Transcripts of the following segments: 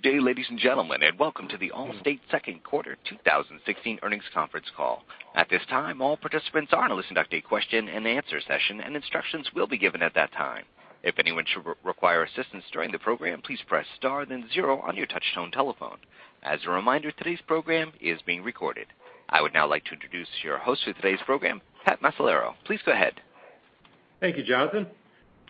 Good day, ladies and gentlemen, welcome to the Allstate second quarter 2016 earnings conference call. At this time, all participants are in a listen-only question and answer session, and instructions will be given at that time. If anyone should require assistance during the program, please press star then zero on your touchtone telephone. As a reminder, today's program is being recorded. I would now like to introduce your host for today's program, Patrick Macellaro. Please go ahead. Thank you, Jonathan.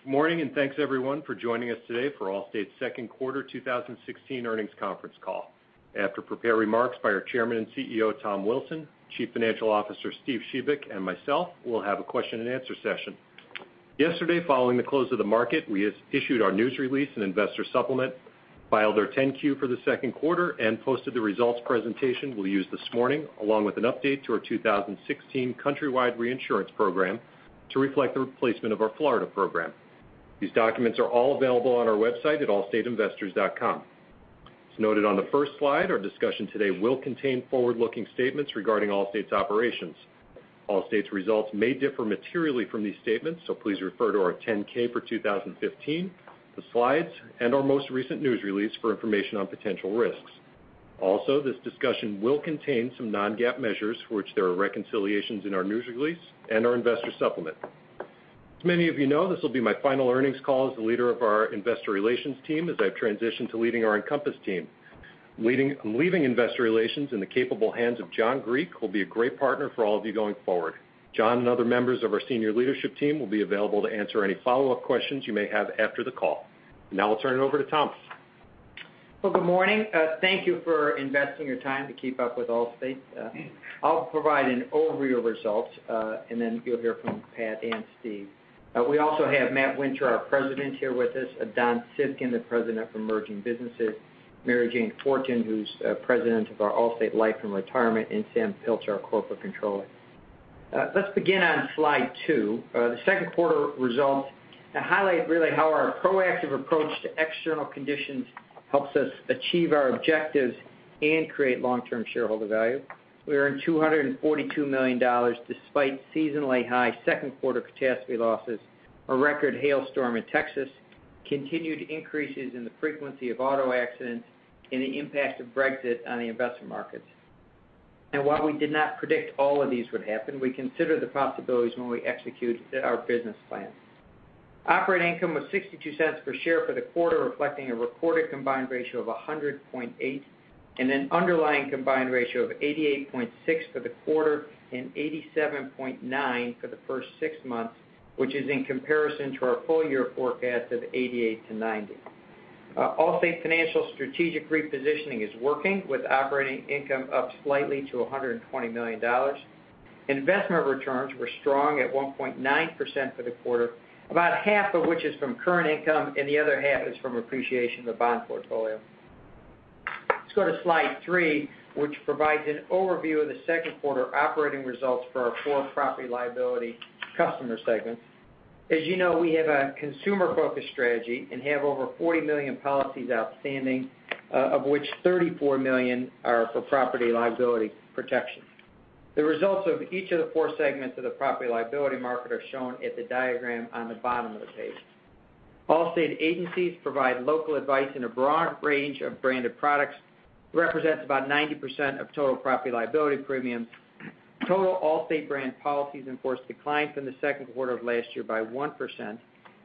Good morning, and thanks everyone for joining us today for Allstate's second quarter 2016 earnings conference call. After prepared remarks by our Chairman and CEO, Tom Wilson, Chief Financial Officer, Steve Shebik, and myself, we'll have a question and answer session. Yesterday, following the close of the market, we issued our news release and investor supplement, filed our 10-Q for the second quarter, and posted the results presentation we'll use this morning along with an update to our 2016 countrywide reinsurance program to reflect the replacement of our Florida program. These documents are all available on our website at allstateinvestors.com. As noted on the first slide, our discussion today will contain forward-looking statements regarding Allstate's operations. Allstate's results may differ materially from these statements, please refer to our 10-K for 2015, the slides, and our most recent news release for information on potential risks. Also, this discussion will contain some non-GAAP measures for which there are reconciliations in our news release and our investor supplement. As many of you know, this will be my final earnings call as the leader of our investor relations team as I transition to leading our Encompass team. I'm leaving investor relations in the capable hands of John Griek, who will be a great partner for all of you going forward. John and other members of our senior leadership team will be available to answer any follow-up questions you may have after the call. Now, I'll turn it over to Tom. Well, good morning. Thank you for investing your time to keep up with Allstate. I'll provide an overview of results, then you'll hear from Pat and Steve. We also have Matt Winter, our president, here with us, Don Civgin, the president for emerging businesses, Mary Jane Fortin, who's president of our Allstate Life and Retirement, and Sam Pilch, our corporate controller. Let's begin on slide two, the second quarter results, to highlight really how our proactive approach to external conditions helps us achieve our objectives and create long-term shareholder value. We earned $242 million despite seasonally high second quarter catastrophe losses, a record hailstorm in Texas, continued increases in the frequency of auto accidents, and the impact of Brexit on the investment markets. While we did not predict all of these would happen, we consider the possibilities when we execute our business plan. Operating income was $0.62 per share for the quarter, reflecting a recorded combined ratio of 100.8 and an underlying combined ratio of 88.6 for the quarter and 87.9 for the first six months, which is in comparison to our full-year forecast of 88-90. Allstate Financial's strategic repositioning is working, with operating income up slightly to $120 million. Investment returns were strong at 1.9% for the quarter, about half of which is from current income and the other half is from appreciation of the bond portfolio. Let's go to slide three, which provides an overview of the second quarter operating results for our four property liability customer segments. As you know, we have a consumer-focused strategy and have over 40 million policies outstanding, of which 34 million are for property liability protection. The results of each of the four segments of the property liability market are shown at the diagram on the bottom of the page. Allstate agencies provide local advice in a broad range of branded products, represents about 90% of total property liability premiums. Total Allstate brand policies, in force, declined from the second quarter of last year by 1%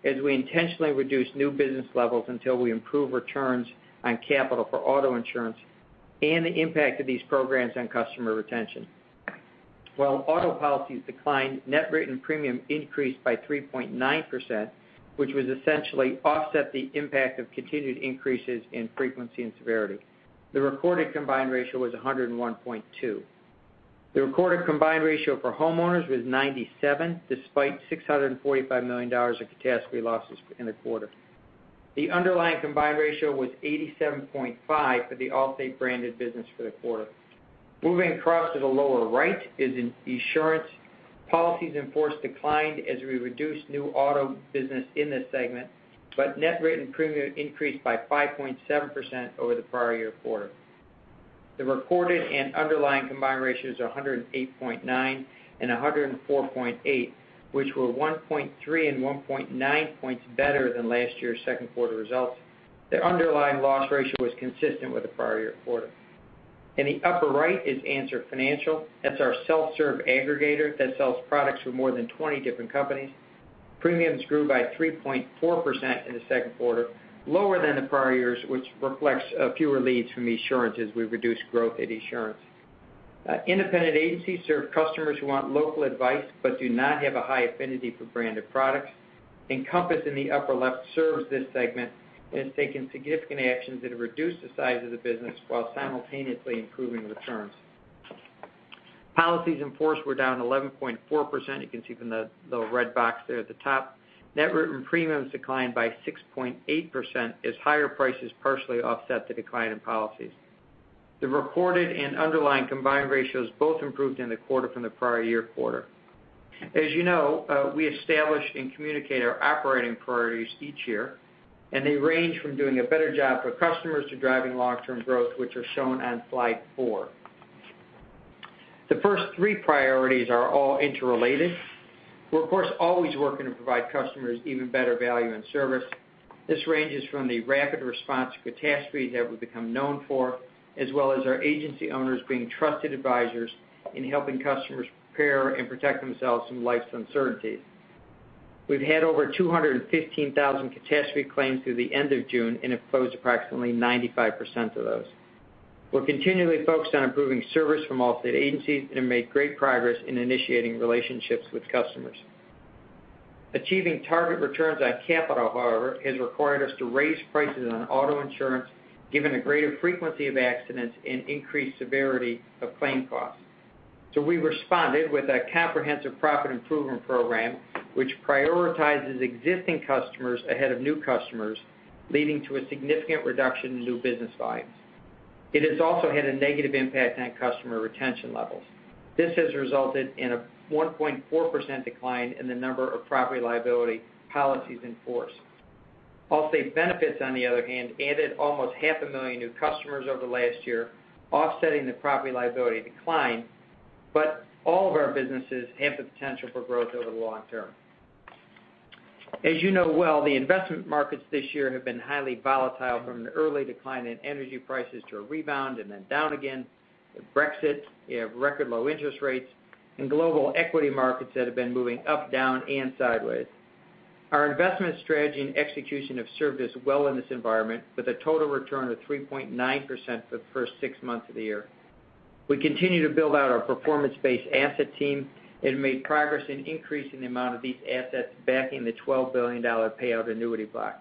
as we intentionally reduce new business levels until we improve returns on capital for auto insurance and the impact of these programs on customer retention. While auto policies declined, net written premium increased by 3.9%, which was essentially offset the impact of continued increases in frequency and severity. The recorded combined ratio was 101.2. The recorded combined ratio for homeowners was 97, despite $645 million of catastrophe losses in the quarter. The underlying combined ratio was 87.5 for the Allstate branded business for the quarter. Moving across to the lower right is Esurance. Policies in force declined as we reduced new auto business in this segment, net written premium increased by 5.7% over the prior year quarter. The recorded and underlying combined ratios are 108.9 and 104.8, which were 1.3 and 1.9 points better than last year's second quarter results. The underlying loss ratio was consistent with the prior year quarter. In the upper right is Answer Financial. That's our self-serve aggregator that sells products for more than 20 different companies. Premiums grew by 3.4% in the second quarter, lower than the prior years, which reflects fewer leads from Esurance as we reduce growth at Esurance. Independent agencies serve customers who want local advice but do not have a high affinity for branded products. Encompass, in the upper left, serves this segment and has taken significant actions that have reduced the size of the business while simultaneously improving returns. Policies in force were down 11.4%. You can see from the little red box there at the top. Net written premiums declined by 6.8% as higher prices partially offset the decline in policies. The recorded and underlying combined ratios both improved in the quarter from the prior year quarter. As you know, we establish and communicate our operating priorities each year, they range from doing a better job for customers to driving long-term growth, which are shown on slide four. The first three priorities are all interrelated. We're, of course, always working to provide customers even better value and service. This ranges from the rapid response to catastrophe that we've become known for, as well as our agency owners being trusted advisors in helping customers prepare and protect themselves from life's uncertainties. We've had over 215,000 catastrophe claims through the end of June and have closed approximately 95% of those. We're continually focused on improving service from Allstate agencies and have made great progress in initiating relationships with customers. Achieving target returns on capital, however, has required us to raise prices on auto insurance, given the greater frequency of accidents and increased severity of claim costs. We responded with a comprehensive profit improvement program, which prioritizes existing customers ahead of new customers, leading to a significant reduction in new business lines. It has also had a negative impact on customer retention levels. This has resulted in a 1.4% decline in the number of property liability policies in force. Allstate Benefits, on the other hand, added almost half a million new customers over the last year, offsetting the property liability decline. All of our businesses have the potential for growth over the long term. As you know well, the investment markets this year have been highly volatile, from an early decline in energy prices to a rebound and then down again, with Brexit, you have record low interest rates, and global equity markets that have been moving up, down, and sideways. Our investment strategy and execution have served us well in this environment, with a total return of 3.9% for the first six months of the year. We continue to build out our performance-based asset team and have made progress in increasing the amount of these assets backing the $12 billion payout annuity block.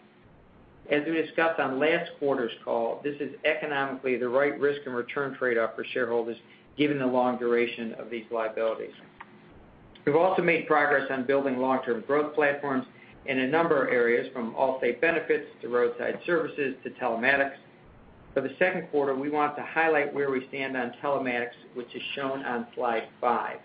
As we discussed on last quarter's call, this is economically the right risk and return trade-off for shareholders, given the long duration of these liabilities. We've also made progress on building long-term growth platforms in a number of areas, from Allstate Benefits to roadside services to telematics. For the second quarter, we want to highlight where we stand on telematics, which is shown on slide five.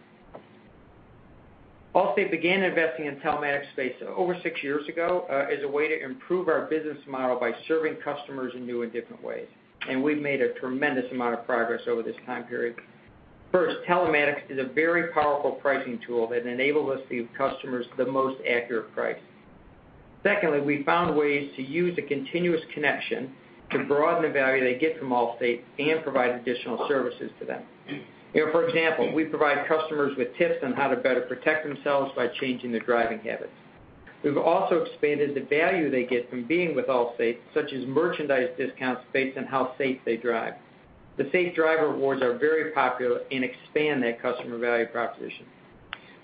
Allstate began investing in telematics space over six years ago as a way to improve our business model by serving customers in new and different ways. We've made a tremendous amount of progress over this time period. First, telematics is a very powerful pricing tool that enables us to give customers the most accurate price. Secondly, we've found ways to use a continuous connection to broaden the value they get from Allstate and provide additional services to them. For example, we provide customers with tips on how to better protect themselves by changing their driving habits. We've also expanded the value they get from being with Allstate, such as merchandise discounts based on how safe they drive. The safe driver awards are very popular and expand that customer value proposition.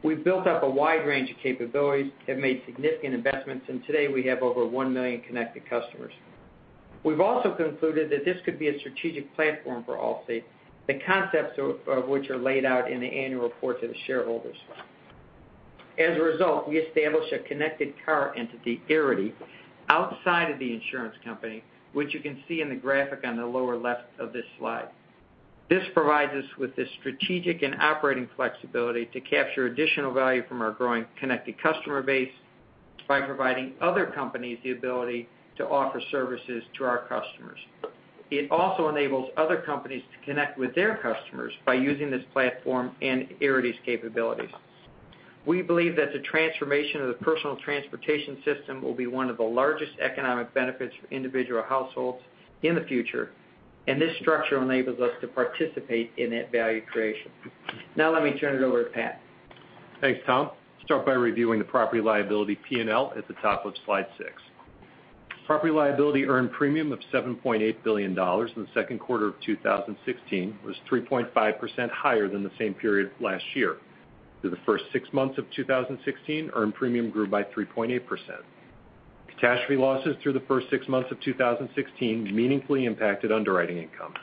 We've built up a wide range of capabilities and made significant investments. Today we have over 1 million connected customers. We've also concluded that this could be a strategic platform for Allstate, the concepts of which are laid out in the annual report to the shareholders. As a result, we established a connected car entity, Arity, outside of the insurance company, which you can see in the graphic on the lower left of this slide. This provides us with the strategic and operating flexibility to capture additional value from our growing connected customer base by providing other companies the ability to offer services to our customers. It also enables other companies to connect with their customers by using this platform and Arity's capabilities. We believe that the transformation of the personal transportation system will be one of the largest economic benefits for individual households in the future, and this structure enables us to participate in that value creation. Now, let me turn it over to Pat. Thanks, Tom. Start by reviewing the property liability P&L at the top of slide six. Property liability earned premium of $7.8 billion in the second quarter of 2016 was 3.5% higher than the same period last year. Through the first six months of 2016, earned premium grew by 3.8%. Catastrophe losses through the first six months of 2016 meaningfully impacted underwriting income.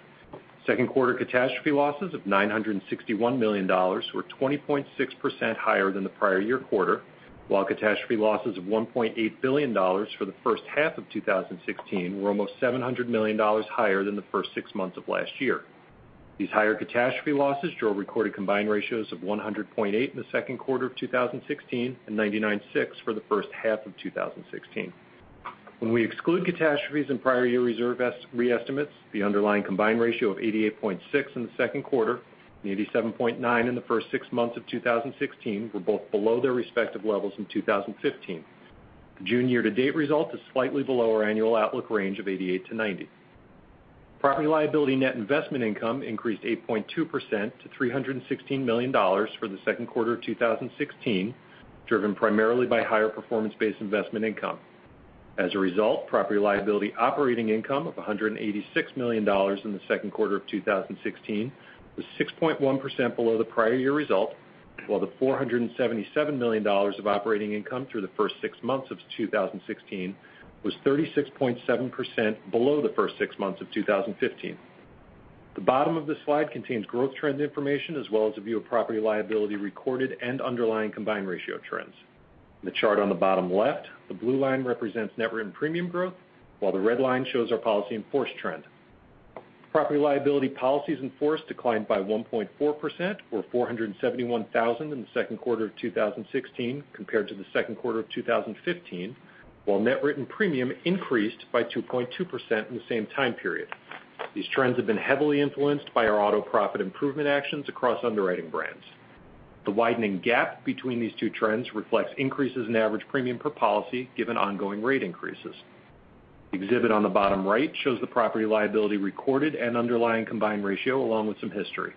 Second quarter catastrophe losses of $961 million were 20.6% higher than the prior year quarter, while catastrophe losses of $1.8 billion for the first half of 2016 were almost $700 million higher than the first six months of last year. These higher catastrophe losses drove recorded combined ratios of 100.8 in the second quarter of 2016 and 99.6 for the first half of 2016. When we exclude catastrophes and prior year reserve re-estimates, the underlying combined ratio of 88.6 in the second quarter and 87.9 in the first six months of 2016 were both below their respective levels in 2015. The June year-to-date result is slightly below our annual outlook range of 88%-90%. Property liability net investment income increased 8.2% to $316 million for the second quarter of 2016, driven primarily by higher performance-based investment income. As a result, property liability operating income of $186 million in the second quarter of 2016 was 6.1% below the prior year result, while the $477 million of operating income through the first six months of 2016 was 36.7% below the first six months of 2015. The bottom of this slide contains growth trend information, as well as a view of property liability recorded and underlying combined ratio trends. In the chart on the bottom left, the blue line represents net written premium growth, while the red line shows our policy in force trend. Property liability policies in force declined by 1.4%, or 471,000 in the second quarter of 2016 compared to the second quarter of 2015, while net written premium increased by 2.2% in the same time period. These trends have been heavily influenced by our auto profit improvement actions across underwriting brands. The widening gap between these two trends reflects increases in average premium per policy, given ongoing rate increases. The exhibit on the bottom right shows the property liability recorded and underlying combined ratio, along with some history.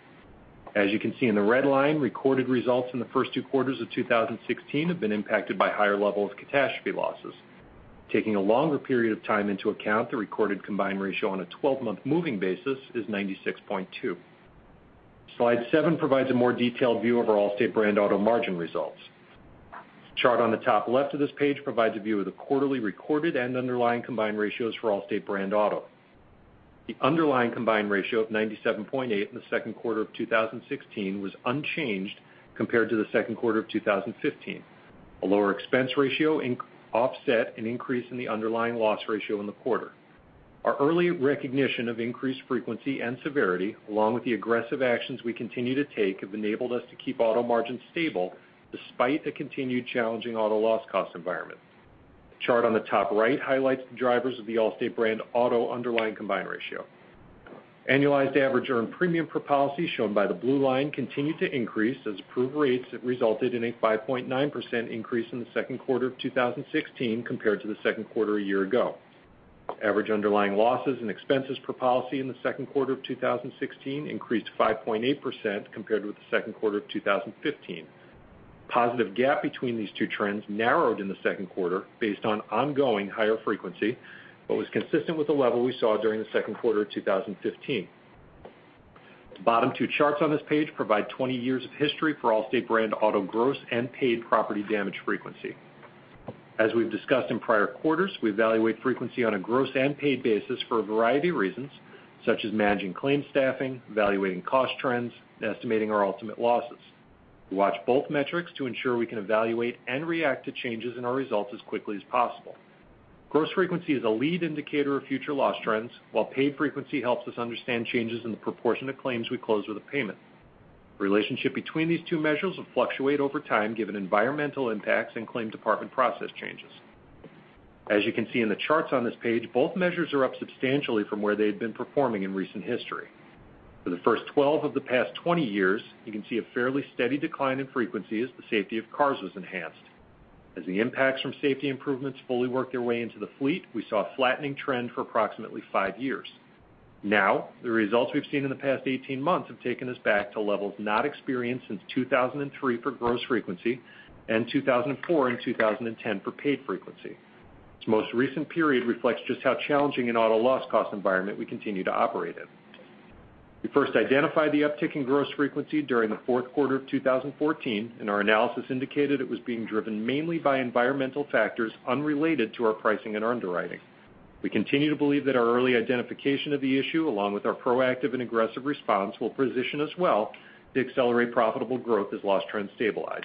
As you can see in the red line, recorded results in the first two quarters of 2016 have been impacted by higher levels of catastrophe losses. Taking a longer period of time into account, the recorded combined ratio on a 12-month moving basis is 96.2. Slide seven provides a more detailed view of our Allstate brand auto margin results. The chart on the top left of this page provides a view of the quarterly recorded and underlying combined ratios for Allstate brand auto. The underlying combined ratio of 97.8 in the second quarter of 2016 was unchanged compared to the second quarter of 2015. A lower expense ratio offset an increase in the underlying loss ratio in the quarter. Our early recognition of increased frequency and severity, along with the aggressive actions we continue to take, have enabled us to keep auto margins stable despite a continued challenging auto loss cost environment. The chart on the top right highlights the drivers of the Allstate brand auto underlying combined ratio. Annualized average earned premium per policy, shown by the blue line, continued to increase as approved rates have resulted in a 5.9% increase in the second quarter of 2016 compared to the second quarter a year ago. Average underlying losses and expenses per policy in the second quarter of 2016 increased 5.8% compared with the second quarter of 2015. Positive gap between these two trends narrowed in the second quarter based on ongoing higher frequency, but was consistent with the level we saw during the second quarter of 2015. The bottom two charts on this page provide 20 years of history for Allstate brand auto gross and paid property damage frequency. As we've discussed in prior quarters, we evaluate frequency on a gross and paid basis for a variety of reasons, such as managing claims staffing, evaluating cost trends, and estimating our ultimate losses. We watch both metrics to ensure we can evaluate and react to changes in our results as quickly as possible. Gross frequency is a lead indicator of future loss trends, while paid frequency helps us understand changes in the proportion of claims we close with a payment. The relationship between these two measures will fluctuate over time given environmental impacts and claim department process changes. As you can see in the charts on this page, both measures are up substantially from where they had been performing in recent history. For the first 12 of the past 20 years, you can see a fairly steady decline in frequency as the safety of cars was enhanced. As the impacts from safety improvements fully worked their way into the fleet, we saw a flattening trend for approximately five years. The results we've seen in the past 18 months have taken us back to levels not experienced since 2003 for gross frequency, and 2004 and 2010 for paid frequency. This most recent period reflects just how challenging an auto loss cost environment we continue to operate in. We first identified the uptick in gross frequency during the fourth quarter of 2014, and our analysis indicated it was being driven mainly by environmental factors unrelated to our pricing and underwriting. We continue to believe that our early identification of the issue, along with our proactive and aggressive response, will position us well to accelerate profitable growth as loss trends stabilize.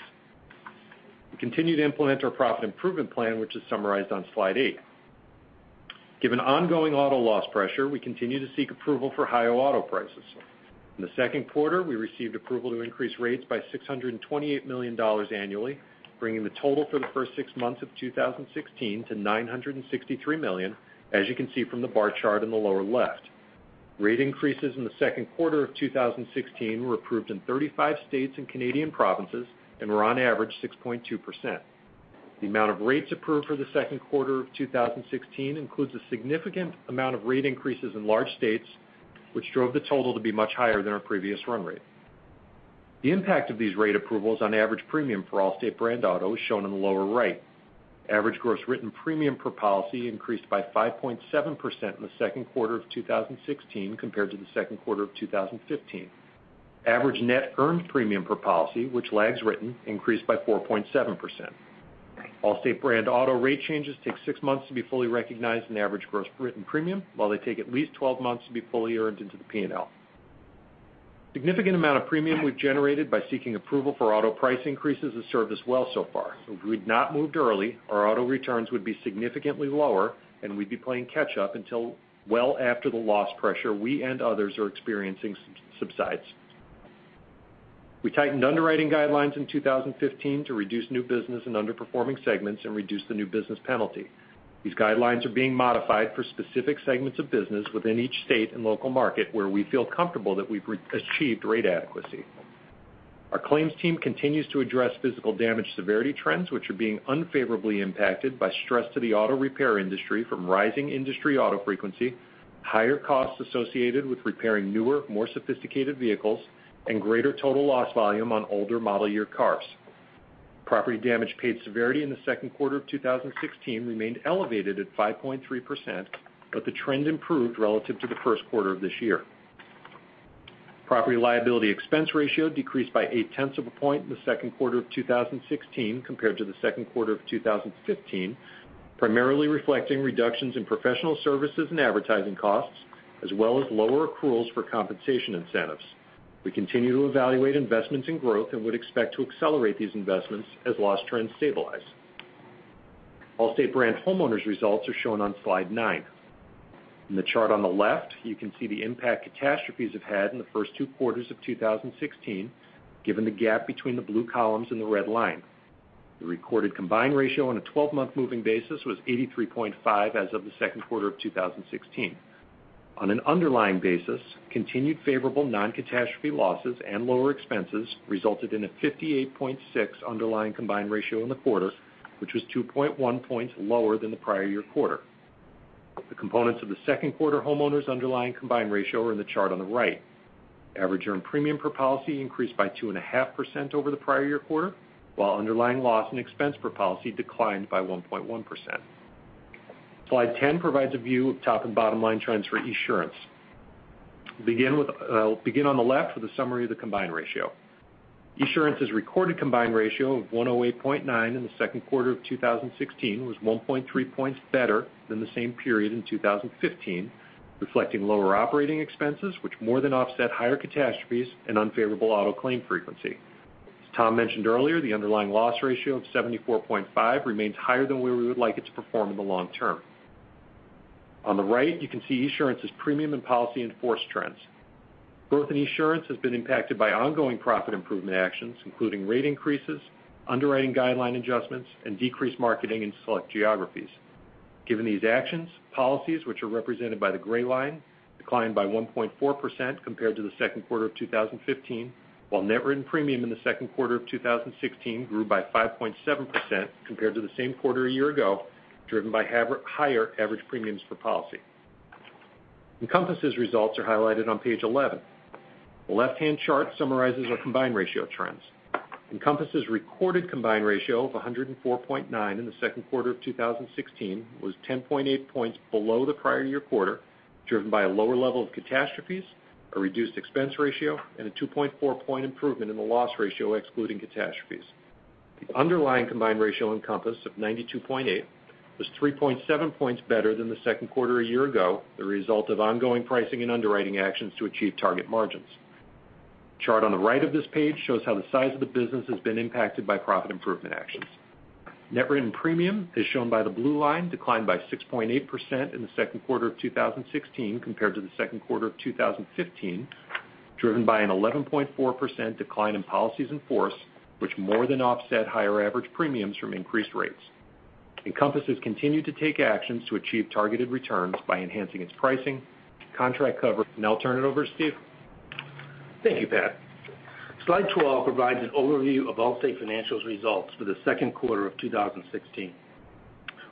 We continue to implement our profit improvement plan, which is summarized on slide eight. Given ongoing auto loss pressure, we continue to seek approval for higher auto prices. In the second quarter, we received approval to increase rates by $628 million annually, bringing the total for the first six months of 2016 to $963 million, as you can see from the bar chart in the lower left. Rate increases in the second quarter of 2016 were approved in 35 states and Canadian provinces and were on average 6.2%. The amount of rates approved for the second quarter of 2016 includes a significant amount of rate increases in large states, which drove the total to be much higher than our previous run rate. The impact of these rate approvals on average premium for Allstate brand auto is shown in the lower right. Average gross written premium per policy increased by 5.7% in the second quarter of 2016 compared to the second quarter of 2015. Average net earned premium per policy, which lags written, increased by 4.7%. Allstate brand auto rate changes take six months to be fully recognized in average gross written premium, while they take at least 12 months to be fully earned into the P&L. Significant amount of premium we've generated by seeking approval for auto price increases has served us well so far. If we had not moved early, our auto returns would be significantly lower, and we'd be playing catch up until well after the loss pressure we and others are experiencing subsides. We tightened underwriting guidelines in 2015 to reduce new business in underperforming segments and reduce the new business penalty. These guidelines are being modified for specific segments of business within each state and local market where we feel comfortable that we've achieved rate adequacy. Our claims team continues to address physical damage severity trends, which are being unfavorably impacted by stress to the auto repair industry from rising industry auto frequency, higher costs associated with repairing newer, more sophisticated vehicles, and greater total loss volume on older model year cars. Property damage paid severity in the second quarter of 2016 remained elevated at 5.3%, but the trend improved relative to the first quarter of this year. Property liability expense ratio decreased by eight tenths of a point in the second quarter of 2016 compared to the second quarter of 2015, primarily reflecting reductions in professional services and advertising costs, as well as lower accruals for compensation incentives. We continue to evaluate investments in growth and would expect to accelerate these investments as loss trends stabilize. Allstate brand homeowners results are shown on slide nine. In the chart on the left, you can see the impact catastrophes have had in the first two quarters of 2016, given the gap between the blue columns and the red line. The recorded combined ratio on a 12-month moving basis was 83.5 as of the second quarter of 2016. On an underlying basis, continued favorable non-catastrophe losses and lower expenses resulted in a 58.6 underlying combined ratio in the quarter, which was 2.1 points lower than the prior year quarter. The components of the second quarter homeowners' underlying combined ratio are in the chart on the right. Average earned premium per policy increased by 2.5% over the prior year quarter, while underlying loss and expense per policy declined by 1.1%. Slide 10 provides a view of top and bottom line trends for Esurance. I'll begin on the left with a summary of the combined ratio. Esurance's recorded combined ratio of 108.9 in the second quarter of 2016 was 1.3 points better than the same period in 2015, reflecting lower operating expenses, which more than offset higher catastrophes and unfavorable auto claim frequency. As Tom mentioned earlier, the underlying loss ratio of 74.5 remains higher than where we would like it to perform in the long term. On the right, you can see Esurance's premium and policy in force trends. Growth in Esurance has been impacted by ongoing profit improvement actions, including rate increases, underwriting guideline adjustments, and decreased marketing in select geographies. Given these actions, policies which are represented by the gray line declined by 1.4% compared to the second quarter of 2015, while net written premium in the second quarter of 2016 grew by 5.7% compared to the same quarter a year ago, driven by higher average premiums per policy. Encompass's results are highlighted on page 11. The left-hand chart summarizes our combined ratio trends. Encompass's recorded combined ratio of 104.9 in the second quarter of 2016 was 10.8 points below the prior year quarter, driven by a lower level of catastrophes, a reduced expense ratio, and a 2.4-point improvement in the loss ratio excluding catastrophes. The underlying combined ratio in Encompass of 92.8 was 3.7 points better than the second quarter a year ago, the result of ongoing pricing and underwriting actions to achieve target margins. The chart on the right of this page shows how the size of the business has been impacted by profit improvement actions. Net written premium, as shown by the blue line, declined by 6.8% in the second quarter of 2016 compared to the second quarter of 2015, driven by an 11.4% decline in policies in force, which more than offset higher average premiums from increased rates. Encompass has continued to take actions to achieve targeted returns by enhancing its pricing, contract cover. I'll turn it over to Steve. Thank you, Pat. Slide 12 provides an overview of Allstate Financial's results for the second quarter of 2016.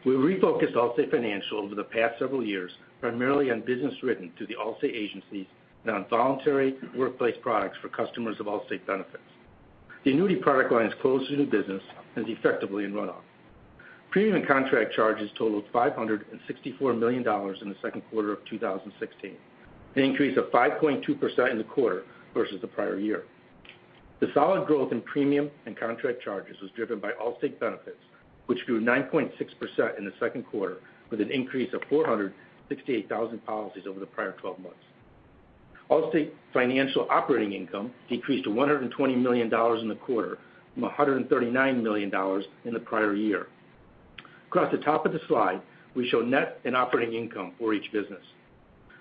We refocused Allstate Financial over the past several years, primarily on business written through the Allstate agencies and on voluntary workplace products for customers of Allstate Benefits. The annuity product line is closed to new business and is effectively in runoff. Premium and contract charges totaled $564 million in the second quarter of 2016, an increase of 5.2% in the quarter versus the prior year. The solid growth in premium and contract charges was driven by Allstate Benefits, which grew 9.6% in the second quarter, with an increase of 468,000 policies over the prior 12 months. Allstate Financial operating income decreased to $120 million in the quarter from $139 million in the prior year. Across the top of the slide, we show net and operating income for each business.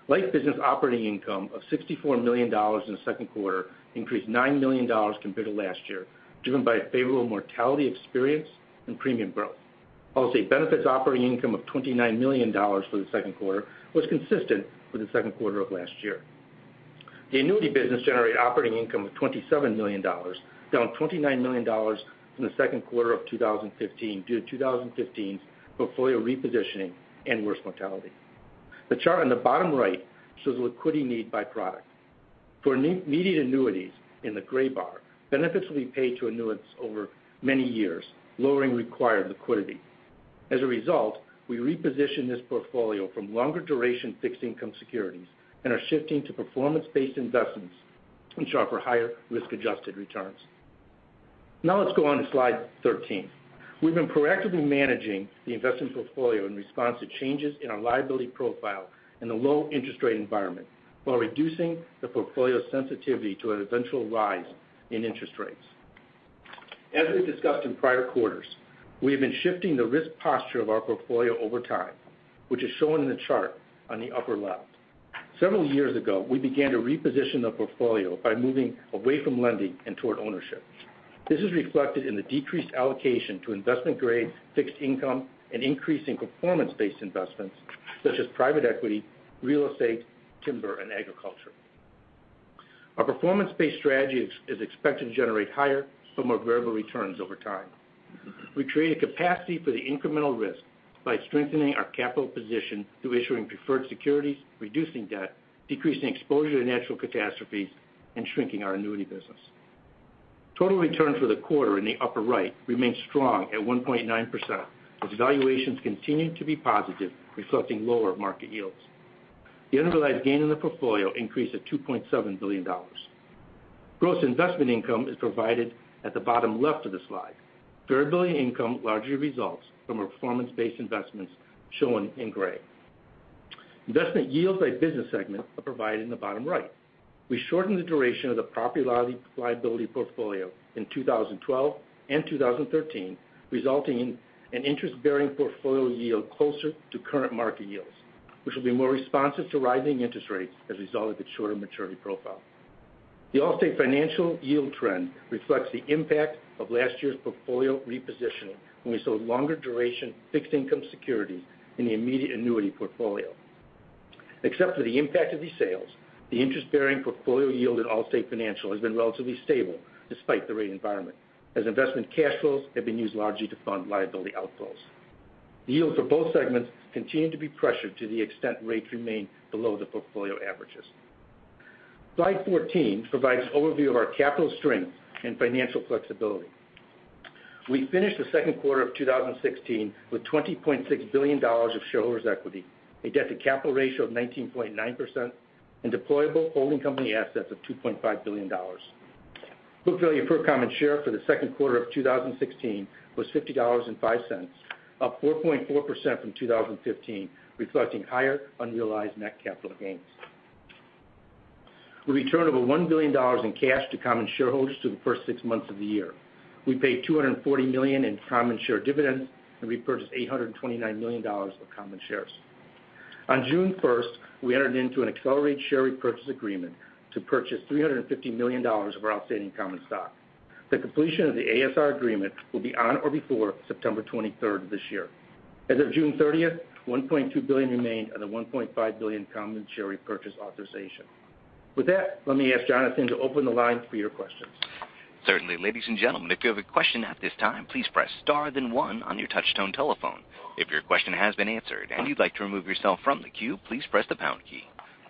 Life business operating income of $64 million in the second quarter increased $9 million compared to last year, driven by a favorable mortality experience and premium growth. Allstate Benefits operating income of $29 million for the second quarter was consistent with the second quarter of last year. The annuity business generated operating income of $27 million, down $29 million from the second quarter of 2015 due to 2015's portfolio repositioning and worse mortality. The chart on the bottom right shows liquidity need by product. For immediate annuities in the gray bar, benefits will be paid to annuitants over many years, lowering required liquidity. As a result, we repositioned this portfolio from longer duration fixed income securities and are shifting to performance-based investments, which offer higher risk-adjusted returns. Let's go on to slide 13. We've been proactively managing the investment portfolio in response to changes in our liability profile in the low interest rate environment, while reducing the portfolio sensitivity to an eventual rise in interest rates. As we discussed in prior quarters, we have been shifting the risk posture of our portfolio over time, which is shown in the chart on the upper left. Several years ago, we began to reposition the portfolio by moving away from lending and toward ownership. This is reflected in the decreased allocation to investment-grade fixed income and increase in performance-based investments such as private equity, real estate, timber, and agriculture. Our performance-based strategy is expected to generate higher but more variable returns over time. We create a capacity for the incremental risk by strengthening our capital position through issuing preferred securities, reducing debt, decreasing exposure to natural catastrophes, and shrinking our annuity business. Total returns for the quarter in the upper right remained strong at 1.9%, as valuations continued to be positive, reflecting lower market yields. The unrealized gain in the portfolio increased at $2.7 billion. Gross investment income is provided at the bottom left of the slide. Variable income largely results from our performance-based investments, shown in gray. Investment yields by business segment are provided in the bottom right. We shortened the duration of the property liability portfolio in 2012 and 2013, resulting in an interest-bearing portfolio yield closer to current market yields, which will be more responsive to rising interest rates as a result of the shorter maturity profile. The Allstate Financial yield trend reflects the impact of last year's portfolio repositioning, when we sold longer duration fixed income securities in the immediate annuity portfolio. Except for the impact of these sales, the interest-bearing portfolio yield at Allstate Financial has been relatively stable despite the rate environment, as investment cash flows have been used largely to fund liability outflows. The yields for both segments continue to be pressured to the extent rates remain below the portfolio averages. Slide 14 provides overview of our capital strength and financial flexibility. We finished the second quarter of 2016 with $20.6 billion of shareholders' equity, a debt to capital ratio of 19.9%, and deployable holding company assets of $2.5 billion. Book value per common share for the second quarter of 2016 was $50.05, up 4.4% from 2015, reflecting higher unrealized net capital gains. We returned over $1 billion in cash to common shareholders through the first six months of the year. We paid $240 million in common share dividends, purchased $829 million of common shares. On June 1st, we entered into an accelerated share repurchase agreement to purchase $350 million of our outstanding common stock. The completion of the ASR agreement will be on or before September 23rd of this year. As of June 30th, $1.2 billion remained on the $1.5 billion common share repurchase authorization. With that, let me ask Jonathan to open the line for your questions. Certainly. Ladies and gentlemen, if you have a question at this time, please press star then one on your touchtone telephone. If your question has been answered and you'd like to remove yourself from the queue, please press the pound key.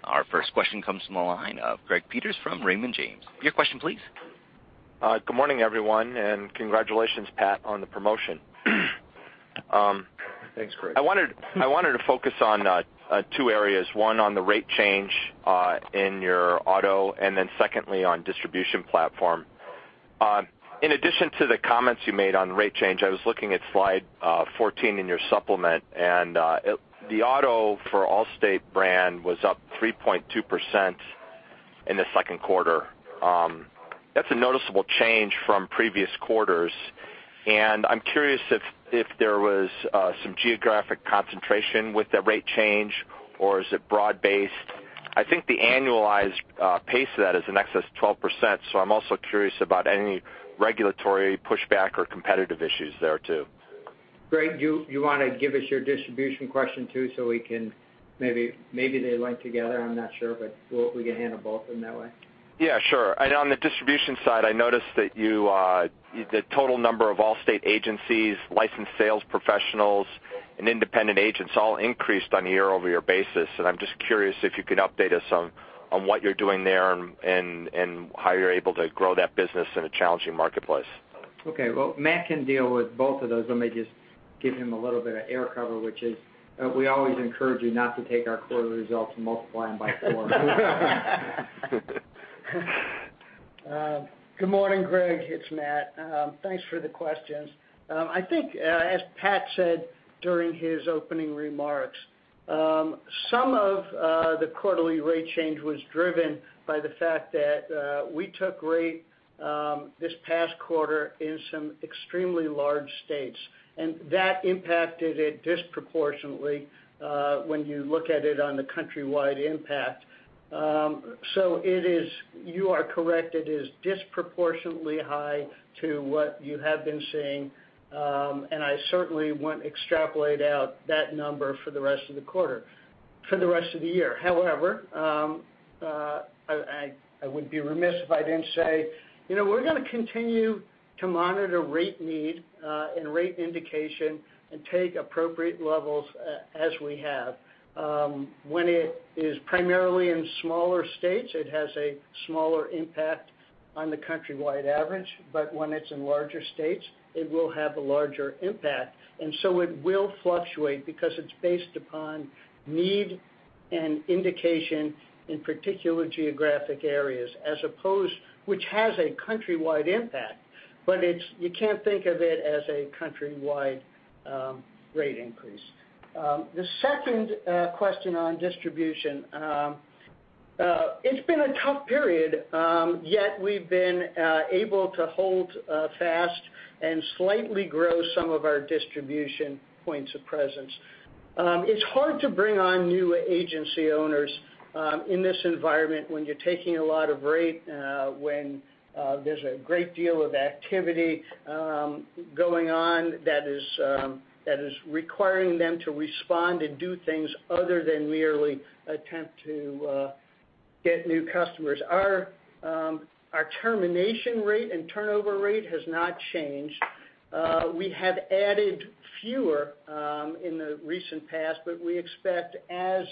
Our first question comes from the line of Greg Peters from Raymond James. Your question please. Good morning, everyone, and congratulations, Pat, on the promotion. Thanks, Greg. I wanted to focus on two areas, one on the rate change in your auto, and then secondly on distribution platform. In addition to the comments you made on rate change, I was looking at slide 14 in your supplement, and the auto for Allstate brand was up 3.2% in the second quarter. That's a noticeable change from previous quarters, and I'm curious if there was some geographic concentration with that rate change, or is it broad based? I think the annualized pace of that is in excess of 12%, so I'm also curious about any regulatory pushback or competitive issues there, too. Greg, do you want to give us your distribution question, too, so we can maybe, they link together. I'm not sure, but we can handle both of them that way. Yeah, sure. On the distribution side, I noticed that the total number of Allstate agencies, Licensed Sales Professionals, and independent agents all increased on a year-over-year basis. I'm just curious if you could update us on what you're doing there and how you're able to grow that business in a challenging marketplace. Okay. Well, Matt can deal with both of those. Let me just give him a little bit of air cover, which is, we always encourage you not to take our quarter results and multiply them by four. Good morning, Greg. It's Matt. Thanks for the questions. I think, as Pat said during his opening remarks, some of the quarterly rate change was driven by the fact that we took rate this past quarter in some extremely large states, and that impacted it disproportionately when you look at it on the countrywide impact. You are correct, it is disproportionately high to what you have been seeing, and I certainly wouldn't extrapolate out that number for the rest of the year. However, I would be remiss if I didn't say we're going to continue to monitor rate need and rate indication and take appropriate levels as we have. When it is primarily in smaller states, it has a smaller impact on the countrywide average, but when it's in larger states, it will have a larger impact. It will fluctuate because it's based upon need and indication in particular geographic areas, which has a countrywide impact, but you can't think of it as a countrywide rate increase. The second question on distribution. It's been a tough period, yet we've been able to hold fast and slightly grow some of our distribution points of presence. It's hard to bring on new agency owners in this environment when you're taking a lot of rate, when there's a great deal of activity going on that is requiring them to respond and do things other than merely attempt to get new customers. Our termination rate and turnover rate has not changed. We have added fewer in the recent past, we expect as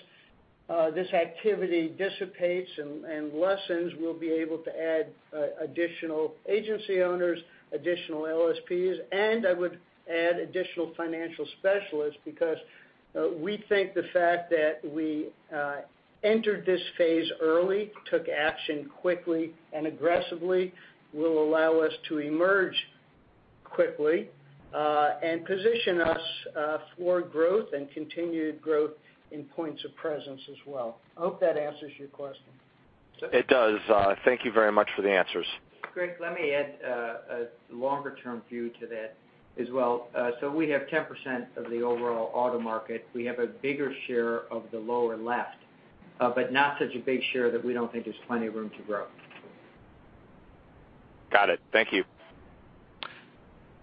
this activity dissipates and lessens, we'll be able to add additional agency owners, additional LSPs, and I would add additional financial specialists because we think the fact that we entered this phase early, took action quickly and aggressively, will allow us to emerge quickly, and position us for growth and continued growth in points of presence as well. I hope that answers your question. It does. Thank you very much for the answers. Greg, let me add a longer-term view to that as well. We have 10% of the overall auto market. We have a bigger share of the lower left, not such a big share that we don't think there's plenty of room to grow. Got it. Thank you.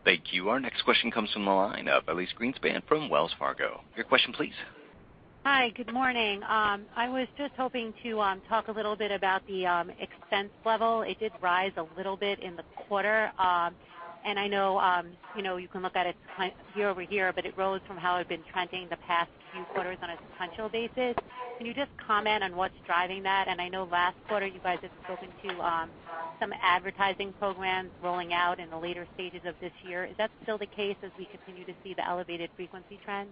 Thank you. Our next question comes from the line of Elyse Greenspan from Wells Fargo. Your question please. Hi, good morning. I was just hoping to talk a little bit about the expense level. It did rise a little bit in the quarter. I know, you can look at it year-over-year, it rose from how it had been trending the past few quarters on a sequential basis. Can you just comment on what's driving that? I know last quarter you guys had spoken to some advertising programs rolling out in the later stages of this year. Is that still the case as we continue to see the elevated frequency trend?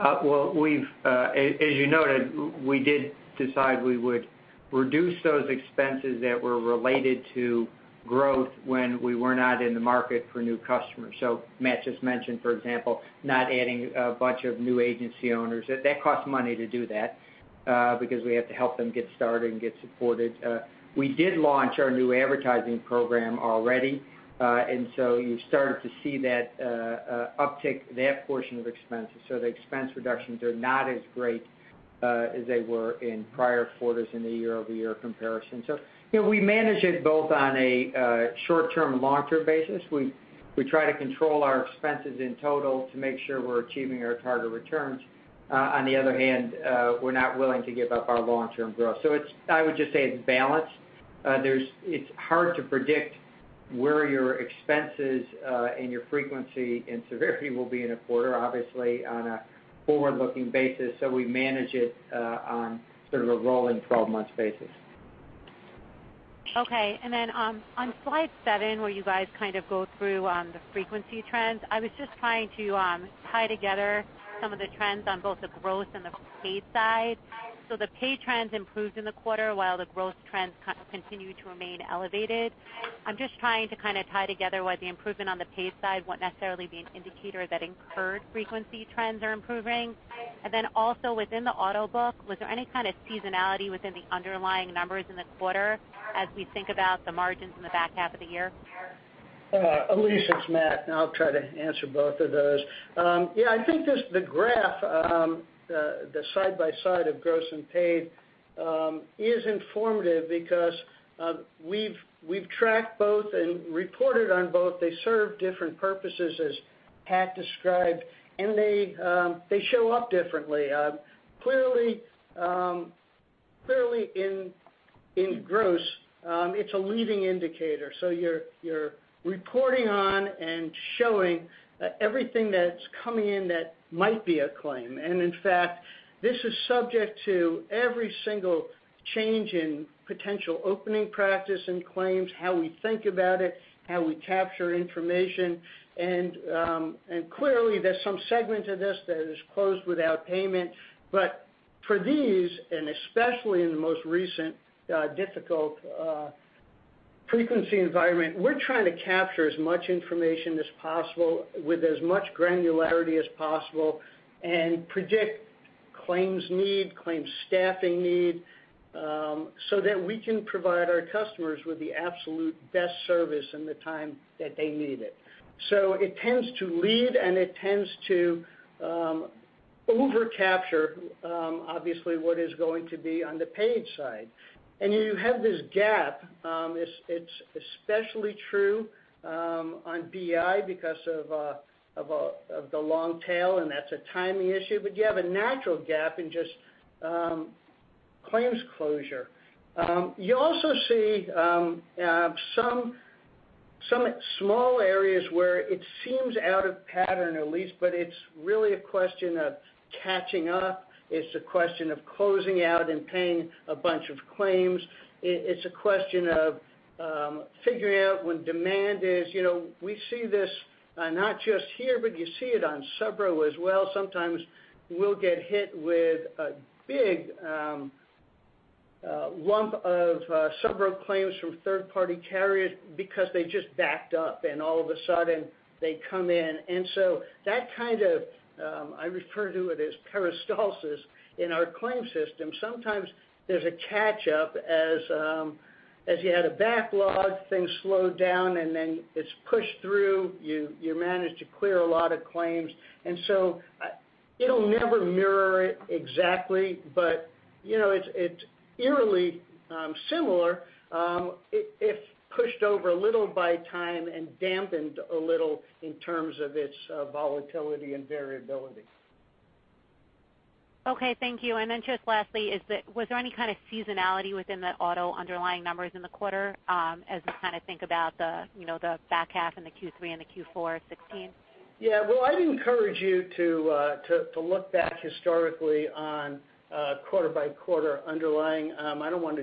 Well, as you noted, we did decide we would reduce those expenses that were related to growth when we were not in the market for new customers. Matt just mentioned, for example, not adding a bunch of new agency owners. That costs money to do that, because we have to help them get started and get supported. We did launch our new advertising program already. You started to see that uptick, that portion of expenses. The expense reductions are not as great as they were in prior quarters in the year-over-year comparison. We manage it both on a short-term and long-term basis. We try to control our expenses in total to make sure we're achieving our target returns. On the other hand, we're not willing to give up our long-term growth. I would just say it's balanced. It's hard to predict where your expenses, and your frequency and severity will be in a quarter, obviously, on a forward-looking basis. We manage it on sort of a rolling 12 months basis. Okay. On slide seven, where you guys go through on the frequency trends, I was just trying to tie together some of the trends on both the gross and the paid side. The paid trends improved in the quarter while the gross trends continue to remain elevated. I'm just trying to tie together whether the improvement on the paid side won't necessarily be an indicator that incurred frequency trends are improving. Also within the auto book, was there any kind of seasonality within the underlying numbers in the quarter as we think about the margins in the back half of the year? Elyse, it's Matt, I'll try to answer both of those. Yeah, I think just the graph, the side-by-side of gross and paid, is informative because we've tracked both and reported on both. They serve different purposes, as Pat described, and they show up differently. Clearly, in gross, it's a leading indicator, so you're reporting on and showing everything that's coming in that might be a claim. In fact, this is subject to every single change in potential opening practice and claims, how we think about it, how we capture information. Clearly, there's some segment of this that is closed without payment. For these, and especially in the most recent difficult frequency environment, we're trying to capture as much information as possible with as much granularity as possible and predict claims need, claims staffing need, so that we can provide our customers with the absolute best service in the time that they need it. It tends to lead, and it tends to over-capture, obviously, what is going to be on the paid side. You have this gap. It's especially true on BI because of the long tail, and that's a timing issue. You have a natural gap in just claims closure. You also see some small areas where it seems out of pattern, Elyse, but it's really a question of catching up. It's a question of closing out and paying a bunch of claims. It's a question of figuring out when demand is. We see this not just here, but you see it on subro as well. Sometimes we'll get hit with a big lump of subro claims from third-party carriers because they've just backed up, and all of a sudden they come in. That kind of, I refer to it as peristalsis in our claim system. Sometimes there's a catch-up as you had a backlog, things slowed down, and then it's pushed through. You managed to clear a lot of claims. It'll never mirror it exactly, but it's eerily similar if pushed over a little by time and dampened a little in terms of its volatility and variability. Okay. Thank you. Then just lastly, was there any kind of seasonality within the auto underlying numbers in the quarter as I think about the back half and the Q3 and the Q4 2016? Yeah. Well, I'd encourage you to look back historically on quarter-by-quarter underlying. I don't want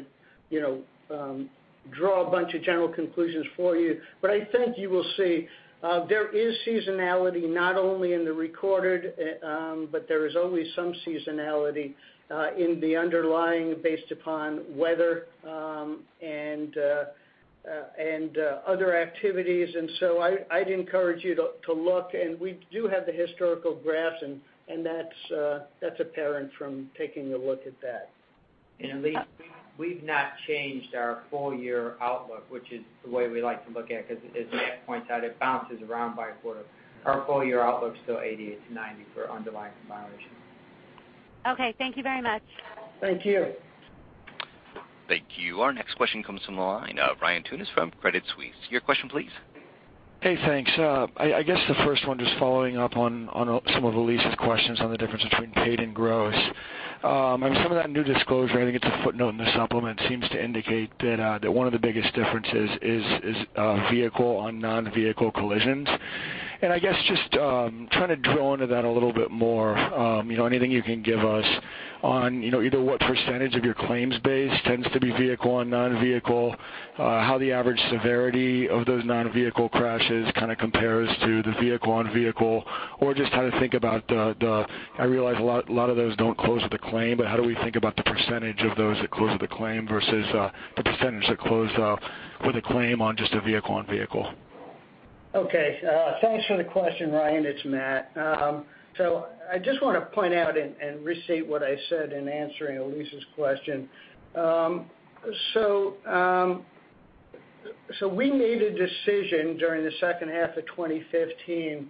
to draw a bunch of general conclusions for you. I think you will see there is seasonality not only in the recorded, but there is always some seasonality in the underlying based upon weather and other activities. I'd encourage you to look, and we do have the historical graphs, and that's apparent from taking a look at that. Elyse, we've not changed our full year outlook, which is the way we like to look at it, because as Matt points out, it bounces around by a quarter. Our full year outlook's still 88%-90% for underlying combination. Okay. Thank you very much. Thank you. Thank you. Our next question comes from the line of Ryan Tunis from Credit Suisse. Your question please. Thanks. I guess the first one, just following up on some of Elyse's questions on the difference between paid and gross. Some of that new disclosure, I think it's a footnote in the supplement, seems to indicate that one of the biggest differences is vehicle on non-vehicle collisions. I guess just trying to drill into that a little bit more, anything you can give us on either what percentage of your claims base tends to be vehicle on non-vehicle, how the average severity of those non-vehicle crashes kind of compares to the vehicle-on-vehicle, or just how to think about I realize a lot of those don't close with a claim, but how do we think about the percentage of those that close with a claim versus the percentage that close with a claim on just a vehicle-on-vehicle? Thanks for the question, Ryan. It's Matt. I just want to point out and restate what I said in answering Elyse's question. We made a decision during the second half of 2015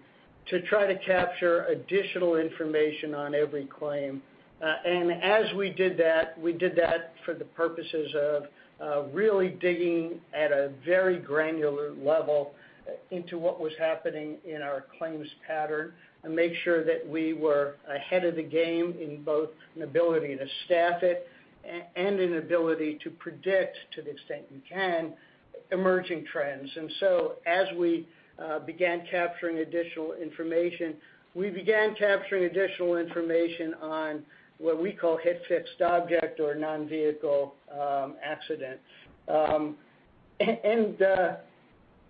to try to capture additional information on every claim. As we did that, we did that for the purposes of really digging at a very granular level into what was happening in our claims pattern and make sure that we were ahead of the game in both an ability to staff it and an ability to predict, to the extent we can, emerging trends. As we began capturing additional information, we began capturing additional information on what we call hit fixed object or non-vehicle accidents.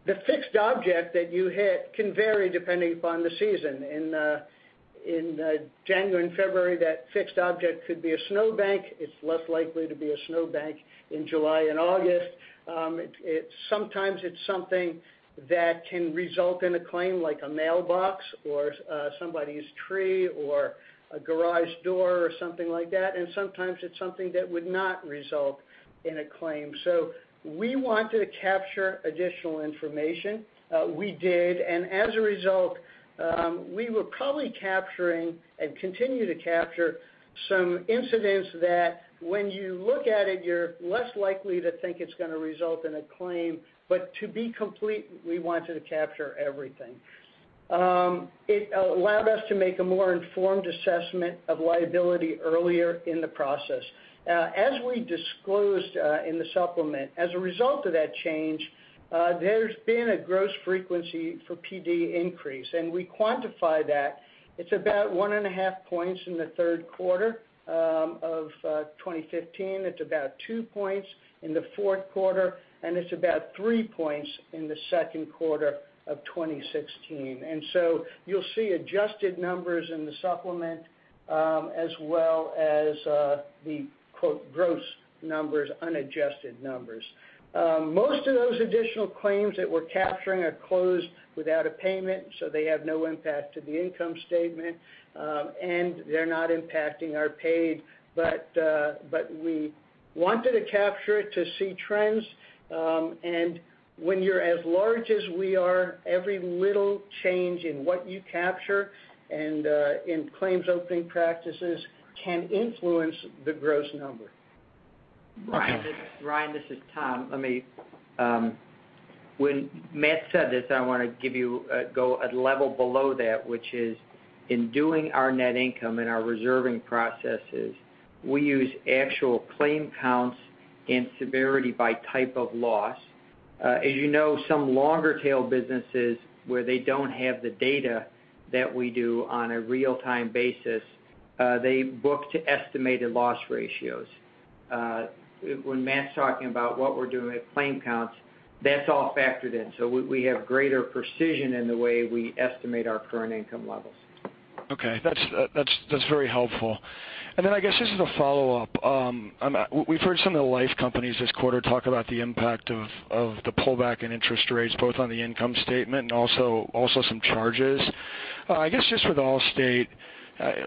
The fixed object that you hit can vary depending upon the season. In January and February, that fixed object could be a snowbank. It's less likely to be a snowbank in July and August. Sometimes it's something that can result in a claim like a mailbox or somebody's tree or a garage door or something like that, and sometimes it's something that would not result in a claim. We wanted to capture additional information. We did, and as a result, we were probably capturing and continue to capture some incidents that when you look at it, you're less likely to think it's going to result in a claim, but to be complete, we wanted to capture everything. It allowed us to make a more informed assessment of liability earlier in the process. As we disclosed in the supplement, as a result of that change, there's been a gross frequency for PD increase, and we quantify that. It's about one and a half points in the third quarter of 2015. It's about two points in the fourth quarter, and it's about three points in the second quarter of 2016. You'll see adjusted numbers in the supplement, as well as the, quote, "gross numbers," unadjusted numbers. Most of those additional claims that we're capturing are closed without a payment, so they have no impact to the income statement. They're not impacting our paid, but we wanted to capture it to see trends. When you're as large as we are, every little change in what you capture and in claims opening practices can influence the gross number. Ryan, this is Tom. When Matt said this, I want to give you a level below that, which is in doing our net income and our reserving processes, we use actual claim counts and severity by type of loss. As you know, some longer tail businesses where they don't have the data that we do on a real-time basis, they book to estimated loss ratios. When Matt's talking about what we're doing with claim counts, that's all factored in. We have greater precision in the way we estimate our current income levels. Okay. That's very helpful. I guess this is a follow-up. We've heard some of the life companies this quarter talk about the impact of the pullback in interest rates, both on the income statement and also some charges. I guess just with Allstate,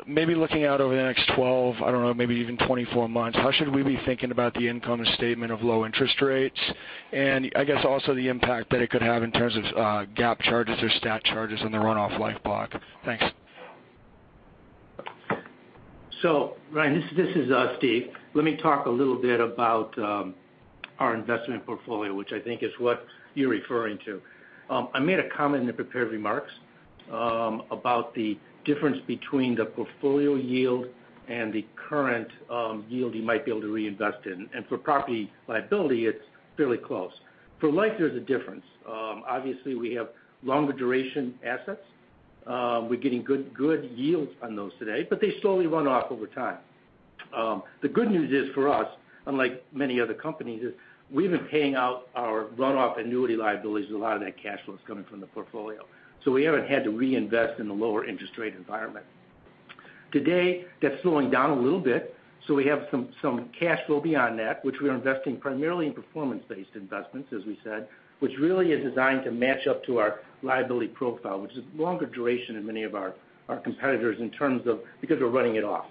maybe looking out over the next 12, I don't know, maybe even 24 months, how should we be thinking about the income statement of low interest rates? And I guess also the impact that it could have in terms of GAAP charges or stat charges on the runoff life block. Thanks. Ryan, this is Steve. Let me talk a little bit about our investment portfolio, which I think is what you're referring to. I made a comment in the prepared remarks about the difference between the portfolio yield and the current yield you might be able to reinvest in. For property liability, it's fairly close. For life, there's a difference. Obviously, we have longer duration assets. We're getting good yields on those today, but they slowly run off over time. The good news is for us, unlike many other companies, is we've been paying out our runoff annuity liabilities with a lot of that cash flows coming from the portfolio. We haven't had to reinvest in the lower interest rate environment. Today, that's slowing down a little bit. We have some cash flow beyond that, which we are investing primarily in performance-based investments, as we said, which really is designed to match up to our liability profile, which is longer duration in many of our competitors because we're running it off.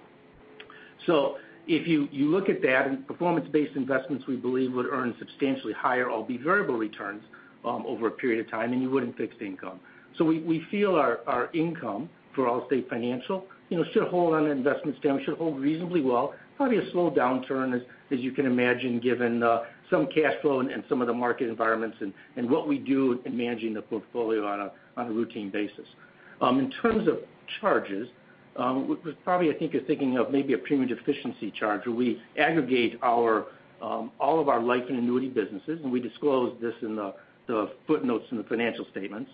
If you look at that, and performance-based investments, we believe, would earn substantially higher OB variable returns over a period of time than you would in fixed income. We feel our income for Allstate Financial should hold reasonably well. Probably a slow downturn as you can imagine, given some cash flow and some of the market environments and what we do in managing the portfolio on a routine basis. In terms of charges, probably I think you're thinking of maybe a premium deficiency charge where we aggregate all of our life and annuity businesses, and we disclose this in the footnotes in the financial statements.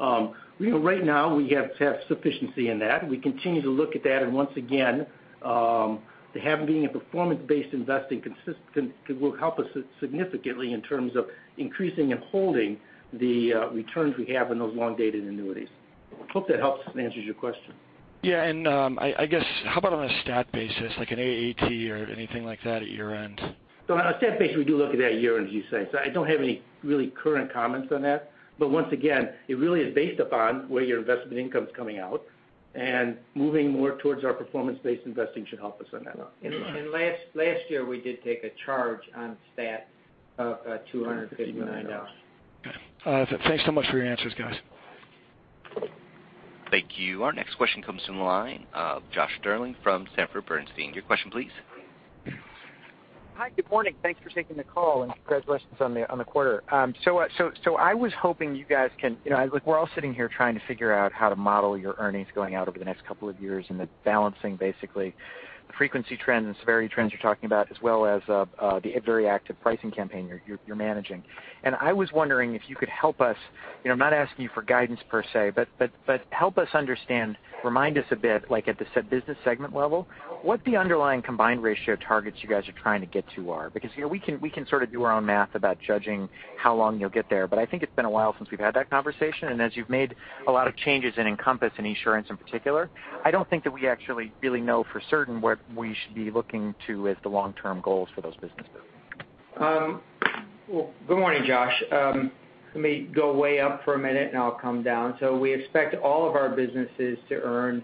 Right now, we have sufficiency in that. We continue to look at that. Once again, to have it being a performance-based investing will help us significantly in terms of increasing and holding the returns we have in those long-dated annuities. Hope that helps and answers your question. I guess, how about on a stat basis, like an AAT or anything like that at your end? On a stat basis, we do look at that year-end, you say. I don't have any really current comments on that. Once again, it really is based upon where your investment income's coming out and moving more towards our performance-based investing should help us on that note. last year, we did take a charge on stat of $259. Okay. Thanks so much for your answers, guys. Thank you. Our next question comes from the line of Josh Stirling from Sanford C. Bernstein. Your question, please. Hi, good morning. Thanks for taking the call and congratulations on the quarter. I was hoping you guys can, look, we're all sitting here trying to figure out how to model your earnings going out over the next couple of years and the balancing, basically, the frequency trends, severity trends you're talking about, as well as the very active pricing campaign you're managing. I was wondering if you could help us, I'm not asking you for guidance per se, but help us understand, remind us a bit, like at the business segment level, what the underlying combined ratio targets you guys are trying to get to are. We can sort of do our own math about judging how long you'll get there. I think it's been a while since we've had that conversation. As you've made a lot of changes in Encompass and Esurance in particular, I don't think that we actually really know for certain what we should be looking to as the long-term goals for those businesses. Well, good morning, Josh. Let me go way up for a minute and I'll come down. We expect all of our businesses to earn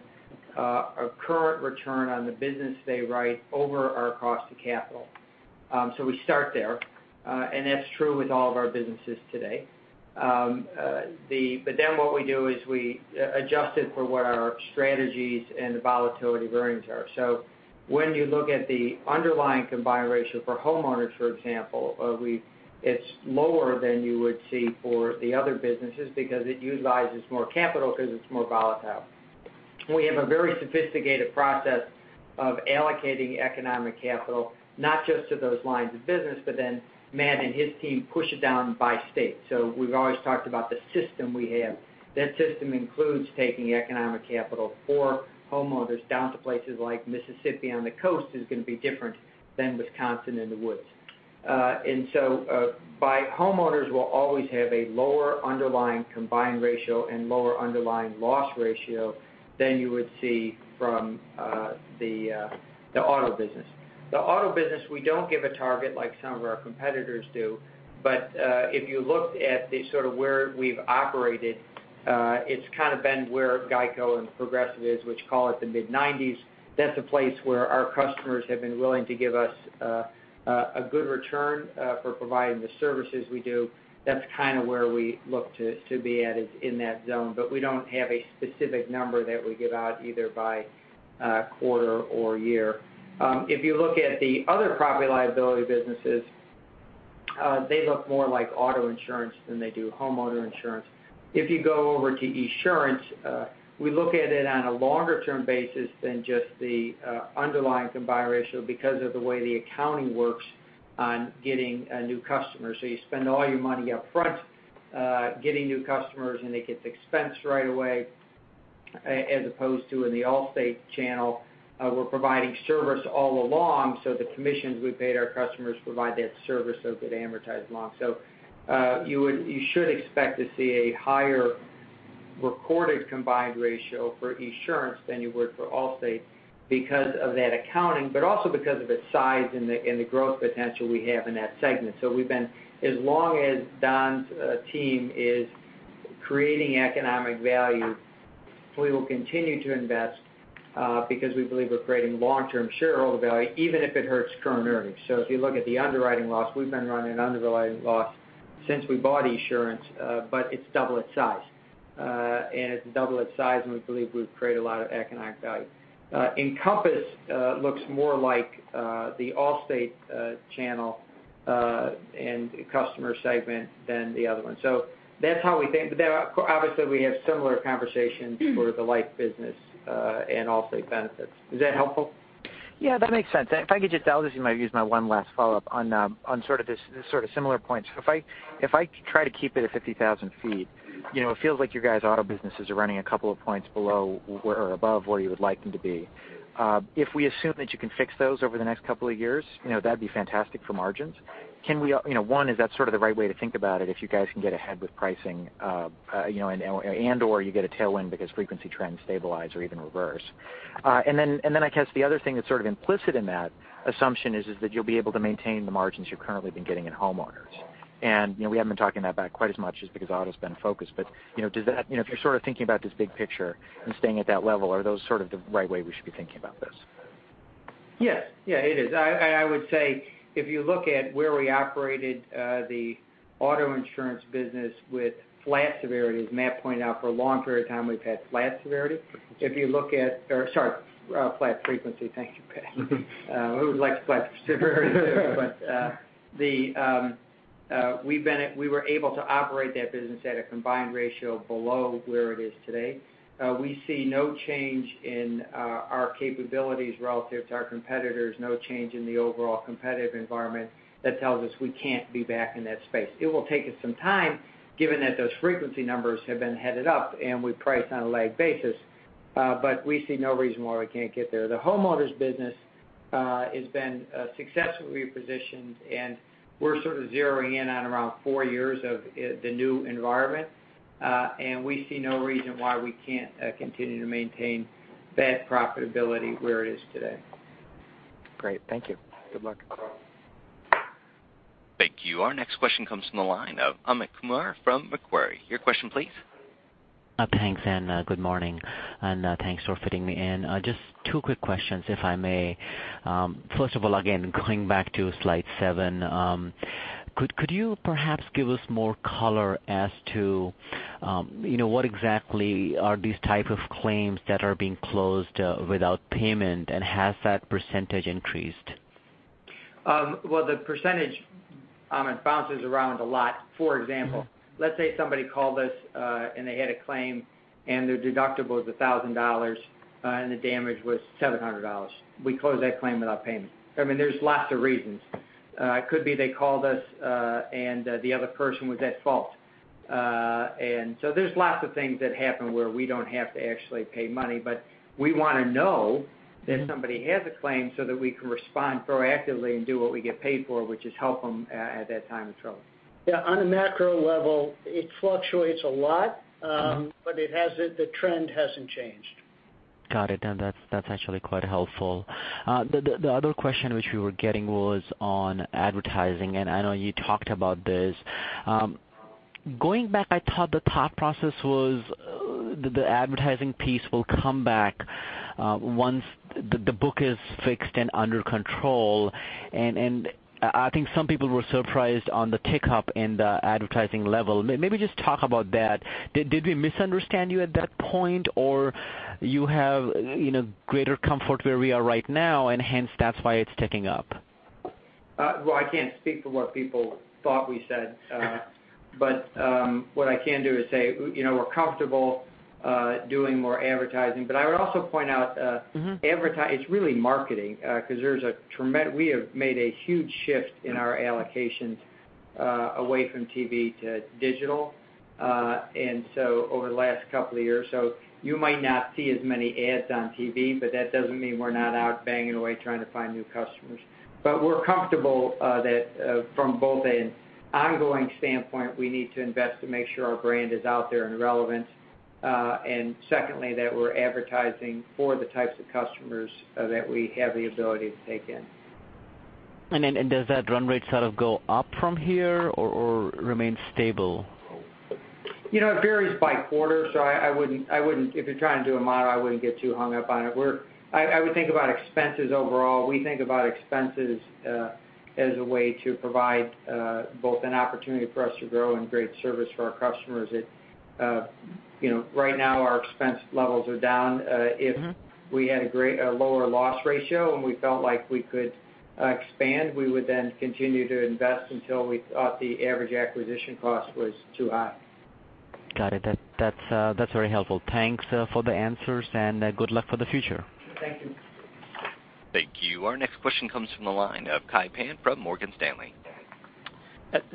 a current return on the business they write over our cost to capital. We start there, and that's true with all of our businesses today. What we do is we adjust it for what our strategies and the volatility of earnings are. When you look at the underlying combined ratio for homeowners, for example, it's lower than you would see for the other businesses because it utilizes more capital because it's more volatile. We have a very sophisticated process of allocating economic capital, not just to those lines of business, but then Matt and his team push it down by state. We've always talked about the system we have. That system includes taking economic capital for homeowners down to places like Mississippi on the coast is going to be different than Wisconsin in the woods. Homeowners will always have a lower underlying combined ratio and lower underlying loss ratio than you would see from the auto business. The auto business, we don't give a target like some of our competitors do. If you looked at the sort of where we've operated, it's kind of been where GEICO and Progressive is, which call it the mid-'90s. That's a place where our customers have been willing to give us a good return for providing the services we do. That's kind of where we look to be at, is in that zone. We don't have a specific number that we give out either by quarter or year. If you look at the other property liability businesses, they look more like auto insurance than they do homeowner insurance. If you go over to Esurance, we look at it on a longer-term basis than just the underlying combined ratio because of the way the accounting works on getting a new customer. You spend all your money up front getting new customers, and it gets expensed right away, as opposed to in the Allstate channel, we're providing service all along, the commissions we paid our customers provide that service so it could amortize along. You should expect to see a higher recorded combined ratio for Esurance than you would for Allstate because of that accounting, also because of its size and the growth potential we have in that segment. As long as Don's team is creating economic value, we will continue to invest because we believe we're creating long-term shareholder value, even if it hurts current earnings. If you look at the underwriting loss, we've been running underwriting loss since we bought Esurance, but it's double its size. It's double its size, and we believe we've created a lot of economic value. Encompass looks more like the Allstate channel and customer segment than the other one. That's how we think, but obviously, we have similar conversations for the life business and Allstate Benefits. Is that helpful? Yeah, that makes sense. I'll just use my one last follow-up on sort of this similar point. If I try to keep it at 50,000 feet, it feels like your guys' auto businesses are running a couple of points below or above where you would like them to be. If we assume that you can fix those over the next couple of years, that'd be fantastic for margins. One, is that sort of the right way to think about it if you guys can get ahead with pricing, and/or you get a tailwind because frequency trends stabilize or even reverse? I guess the other thing that's sort of implicit in that assumption is that you'll be able to maintain the margins you've currently been getting in homeowners. We haven't been talking about that quite as much just because auto's been a focus. If you're thinking about this big picture and staying at that level, are those the right way we should be thinking about this? Yes. It is. I would say if you look at where we operated the auto insurance business with flat severity, as Matt pointed out, for a long period of time, we've had flat severity. Flat frequency. Thank you, Pat. We would like flat severity. We were able to operate that business at a combined ratio below where it is today. We see no change in our capabilities relative to our competitors, no change in the overall competitive environment that tells us we can't be back in that space. It will take us some time, given that those frequency numbers have been headed up, and we price on a lagged basis, but we see no reason why we can't get there. The homeowners business has been successfully repositioned, and we're sort of zeroing in on around four years of the new environment. We see no reason why we can't continue to maintain that profitability where it is today. Great. Thank you. Good luck. Thank you. Our next question comes from the line of Amit Kumar from Macquarie. Your question, please. Thanks, good morning, and thanks for fitting me in. Just two quick questions, if I may. First of all, again, going back to slide seven, could you perhaps give us more color as to what exactly are these type of claims that are being closed without payment, and has that percentage increased? Well, the percentage, Amit, bounces around a lot. For example, let's say somebody called us, and they had a claim, and their deductible was $1,000, and the damage was $700. We close that claim without payment. There's lots of reasons. It could be they called us, and the other person was at fault. There's lots of things that happen where we don't have to actually pay money. We want to know that somebody has a claim so that we can respond proactively and do what we get paid for, which is help them at that time of trouble. Yeah, on a macro level, it fluctuates a lot. The trend hasn't changed. Got it. That's actually quite helpful. The other question which we were getting was on advertising, and I know you talked about this. Going back, I thought the thought process was the advertising piece will come back once the book is fixed and under control. I think some people were surprised on the tick up in the advertising level. Maybe just talk about that. Did we misunderstand you at that point, or you have greater comfort where we are right now and hence that's why it's ticking up? Well, I can't speak for what people thought we said. Okay. What I can do is say we're comfortable doing more advertising. I would also point out. It's really marketing, because we have made a huge shift in our allocations away from TV to digital over the last couple of years. You might not see as many ads on TV, but that doesn't mean we're not out banging away trying to find new customers. We're comfortable that from both an ongoing standpoint, we need to invest to make sure our brand is out there and relevant, and secondly, that we're advertising for the types of customers that we have the ability to take in. Does that run rate sort of go up from here or remain stable? It varies by quarter. If you're trying to do a model, I wouldn't get too hung up on it. I would think about expenses overall. We think about expenses as a way to provide both an opportunity for us to grow and great service for our customers. Right now our expense levels are down. If we had a lower loss ratio and we felt like we could expand, we would then continue to invest until we thought the average acquisition cost was too high. Got it. That's very helpful. Thanks for the answers. Good luck for the future. Thank you. Thank you. Our next question comes from the line of Kai Pan from Morgan Stanley.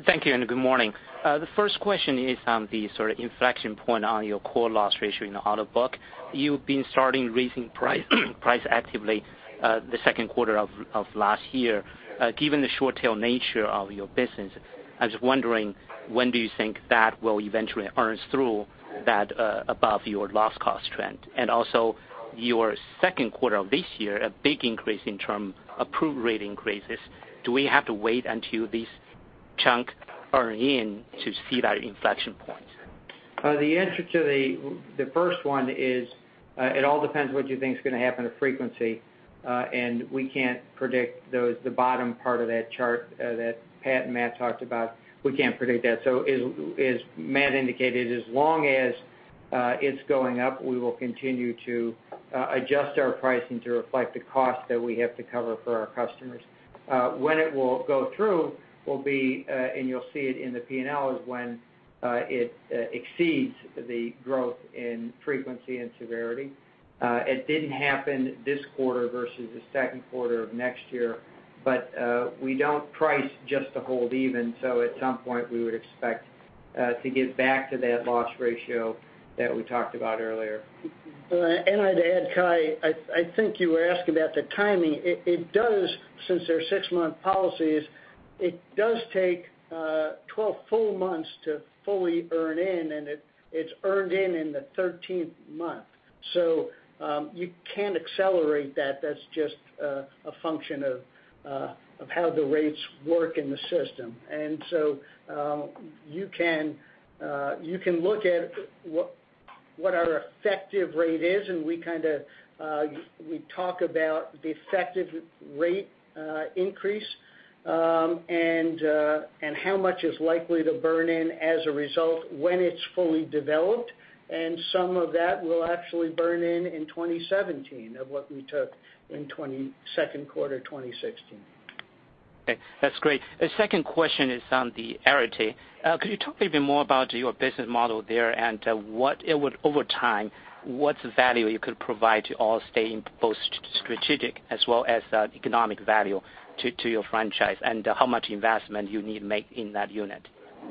Thank you. Good morning. The first question is on the sort of inflection point on your core loss ratio in the auto book. You've been starting raising price actively the second quarter of last year. Given the short tail nature of your business, I was wondering, when do you think that will eventually earn through that above your loss cost trend? Also, your second quarter of this year, a big increase in term approved rate increases. Do we have to wait until this chunk earn in to see that inflection point? The answer to the first one is, it all depends what you think is going to happen to frequency. We can't predict the bottom part of that chart that Pat and Matt talked about. We can't predict that. As Matt indicated, as long as it's going up, we will continue to adjust our pricing to reflect the cost that we have to cover for our customers. When it will go through will be, and you'll see it in the P&L, is when it exceeds the growth in frequency and severity. It didn't happen this quarter versus the second quarter of next year, we don't price just to hold even. At some point we would expect to get back to that loss ratio that we talked about earlier. I'd add, Kai, I think you were asking about the timing. Since they're six-month policies, it does take 12 full months to fully earn in, and it's earned in in the 13th month. You can't accelerate that. That's just a function of how the rates work in the system. You can look at what our effective rate is, and we talk about the effective rate increase, and how much is likely to burn in as a result when it's fully developed, and some of that will actually burn in 2017 of what we took in second quarter 2016. Okay. That's great. A second question is on the Arity. Could you talk a little bit more about your business model there and over time, what value you could provide to Allstate in both strategic as well as economic value to your franchise and how much investment you need to make in that unit?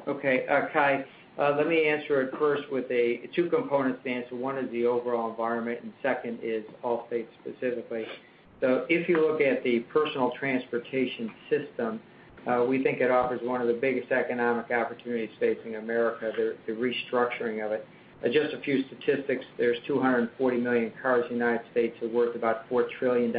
Okay. Kai, let me answer it first with a two component stance. One is the overall environment, and second is Allstate specifically. If you look at the personal transportation system, we think it offers one of the biggest economic opportunities facing America, the restructuring of it. Just a few statistics, there's 240 million cars in the U.S. that are worth about $4 trillion.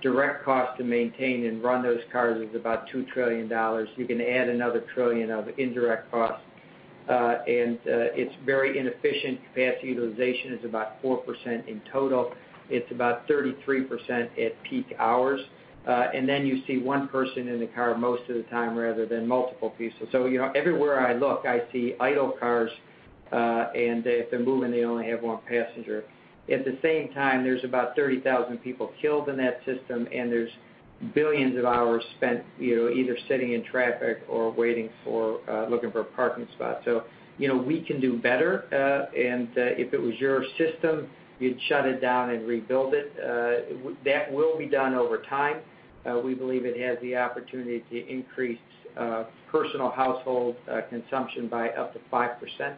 Direct cost to maintain and run those cars is about $2 trillion. You can add another trillion of indirect costs. It's very inefficient. Capacity utilization is about 4% in total. It's about 33% at peak hours. You see one person in the car most of the time rather than multiple people. Everywhere I look, I see idle cars, and if they're moving, they only have one passenger. At the same time, there's about 30,000 people killed in that system, and there's billions of hours spent either sitting in traffic or looking for a parking spot. We can do better, and if it was your system, you'd shut it down and rebuild it. That will be done over time. We believe it has the opportunity to increase personal household consumption by up to 5%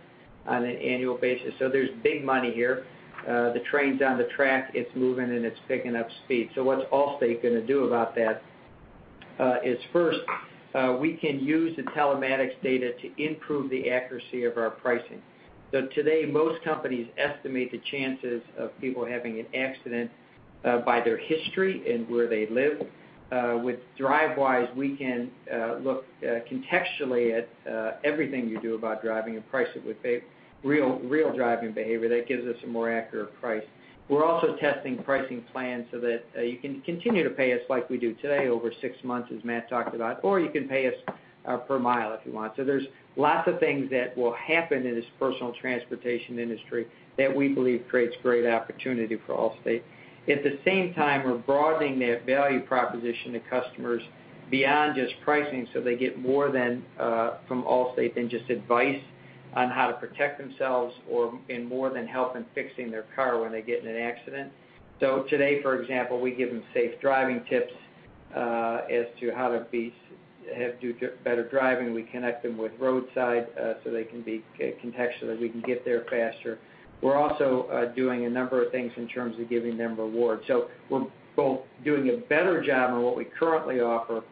on an annual basis. There's big money here. The train's on the track, it's moving, and it's picking up speed. What's Allstate going to do about that is first, we can use the telematics data to improve the accuracy of our pricing. Today, most companies estimate the chances of people having an accident by their history and where they live. With Drivewise, we can look contextually at everything you do about driving and price it with real driving behavior that gives us a more accurate price. We're also testing pricing plans that you can continue to pay us like we do today over six months, as Matt talked about, or you can pay us per mile if you want. There's lots of things that will happen in this personal transportation industry that we believe creates great opportunity for Allstate. At the same time, we're broadening that value proposition to customers beyond just pricing, so they get more from Allstate than just advice on how to protect themselves or in more than help in fixing their car when they get in an accident. Today, for example, we give them safe driving tips as to how to do better driving. We connect them with roadside, contextually, we can get there faster. We're also doing a number of things in terms of giving them rewards. We're both doing a better job on what we currently offer,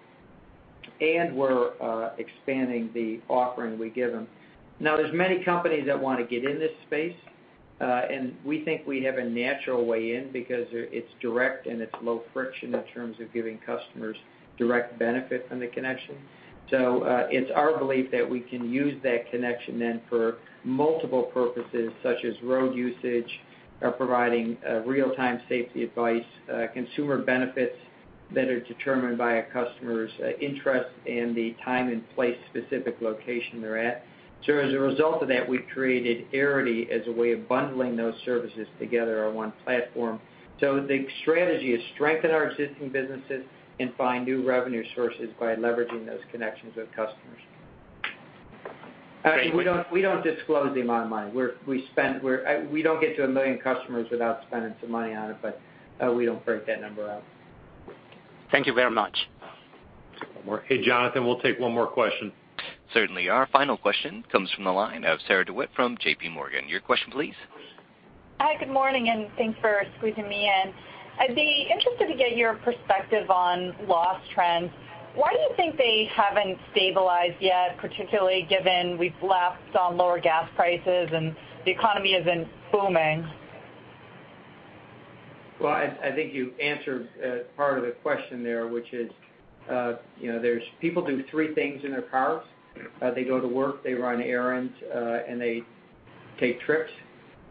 and we're expanding the offering we give them. There's many companies that want to get in this space. We think we have a natural way in because it's direct and it's low friction in terms of giving customers direct benefit from the connection. It's our belief that we can use that connection then for multiple purposes, such as road usage, providing real-time safety advice, consumer benefits that are determined by a customer's interest in the time and place specific location they're at. As a result of that, we've created Arity as a way of bundling those services together on one platform. The strategy is strengthen our existing businesses and find new revenue sources by leveraging those connections with customers. Thank you. We don't disclose the amount of money. We don't get to a million customers without spending some money on it, but we don't break that number out. Thank you very much. One more. Hey, Jonathan, we'll take one more question. Certainly. Our final question comes from the line of Sarah DeWitt from J.P. Morgan. Your question, please. Hi, good morning, and thanks for squeezing me in. I'd be interested to get your perspective on loss trends. Why do you think they haven't stabilized yet, particularly given we've lapsed on lower gas prices and the economy isn't booming? Well, I think you answered part of the question there, which is, people do three things in their cars. They go to work, they run errands, and they take trips.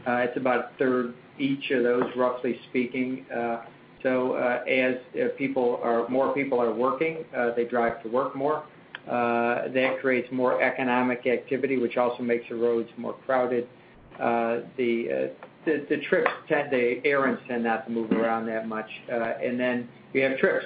It's about a third each of those, roughly speaking. As more people are working, they drive to work more. That creates more economic activity, which also makes the roads more crowded. The errands tend not to move around that much. Then we have trips.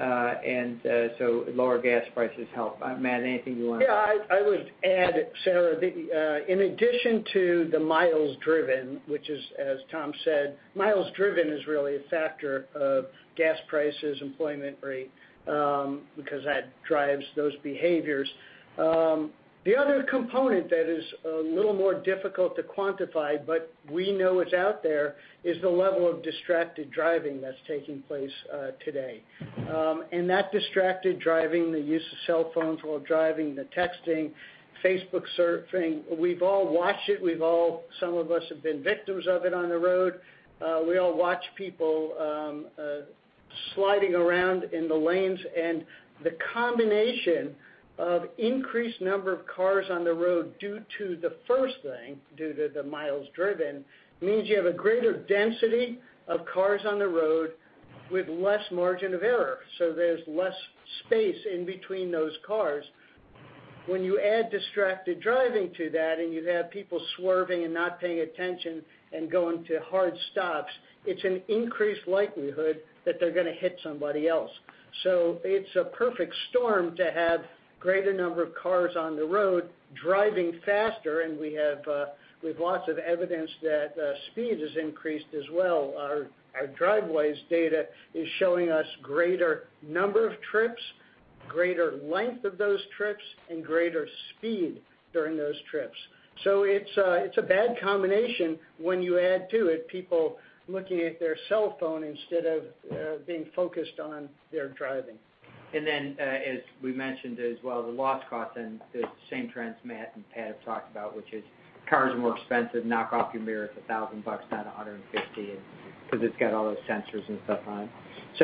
Lower gas prices help. Matt, anything you want to- Yeah, I would add, Sarah, that in addition to the miles driven, which is, as Tom said, miles driven is really a factor of gas prices, employment rate, because that drives those behaviors. The other component that is a little more difficult to quantify, but we know it's out there, is the level of distracted driving that's taking place today. That distracted driving, the use of cell phones while driving, the texting, Facebook surfing, we've all watched it. Some of us have been victims of it on the road. We all watch people sliding around in the lanes. The combination of increased number of cars on the road due to the first thing, due to the miles driven, means you have a greater density of cars on the road with less margin of error, so there's less space in between those cars. When you add distracted driving to that, and you have people swerving and not paying attention and going to hard stops, it's an increased likelihood that they're going to hit somebody else. It's a perfect storm to have greater number of cars on the road driving faster, and we have lots of evidence that speed has increased as well. Our Drivewise data is showing us greater number of trips, greater length of those trips, and greater speed during those trips. It's a bad combination when you add to it people looking at their cellphone instead of being focused on their driving. As we mentioned as well, the loss cost and the same trends Matt and Pat have talked about, which is cars are more expensive. Knock off your mirror, it's $1,000, not $150, because it's got all those sensors and stuff on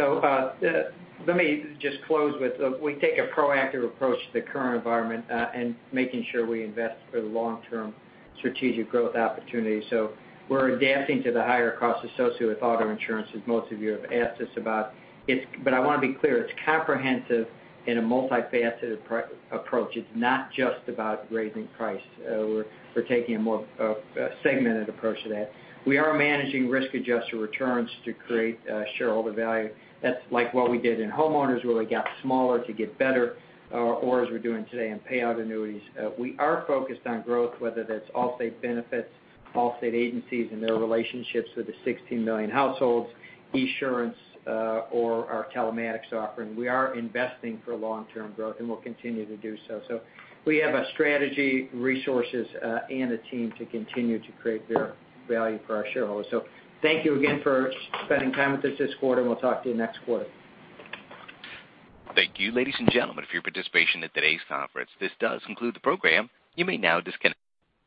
it. Let me just close with, we take a proactive approach to the current environment, and making sure we invest for the long-term strategic growth opportunities. We're adapting to the higher costs associated with auto insurance, as most of you have asked us about. I want to be clear, it's comprehensive in a multifaceted approach. It's not just about raising price. We're taking a more segmented approach to that. We are managing risk-adjusted returns to create shareholder value. That's like what we did in homeowners, where we got smaller to get better, or as we're doing today in payout annuities. We are focused on growth, whether that's Allstate Benefits, Allstate agencies and their relationships with the 16 million households, Esurance, or our telematics offering. We are investing for long-term growth, and will continue to do so. We have a strategy, resources, and a team to continue to create share value for our shareholders. Thank you again for spending time with us this quarter, and we'll talk to you next quarter. Thank you. Ladies and gentlemen, for your participation in today's conference, this does conclude the program. You may now disconnect.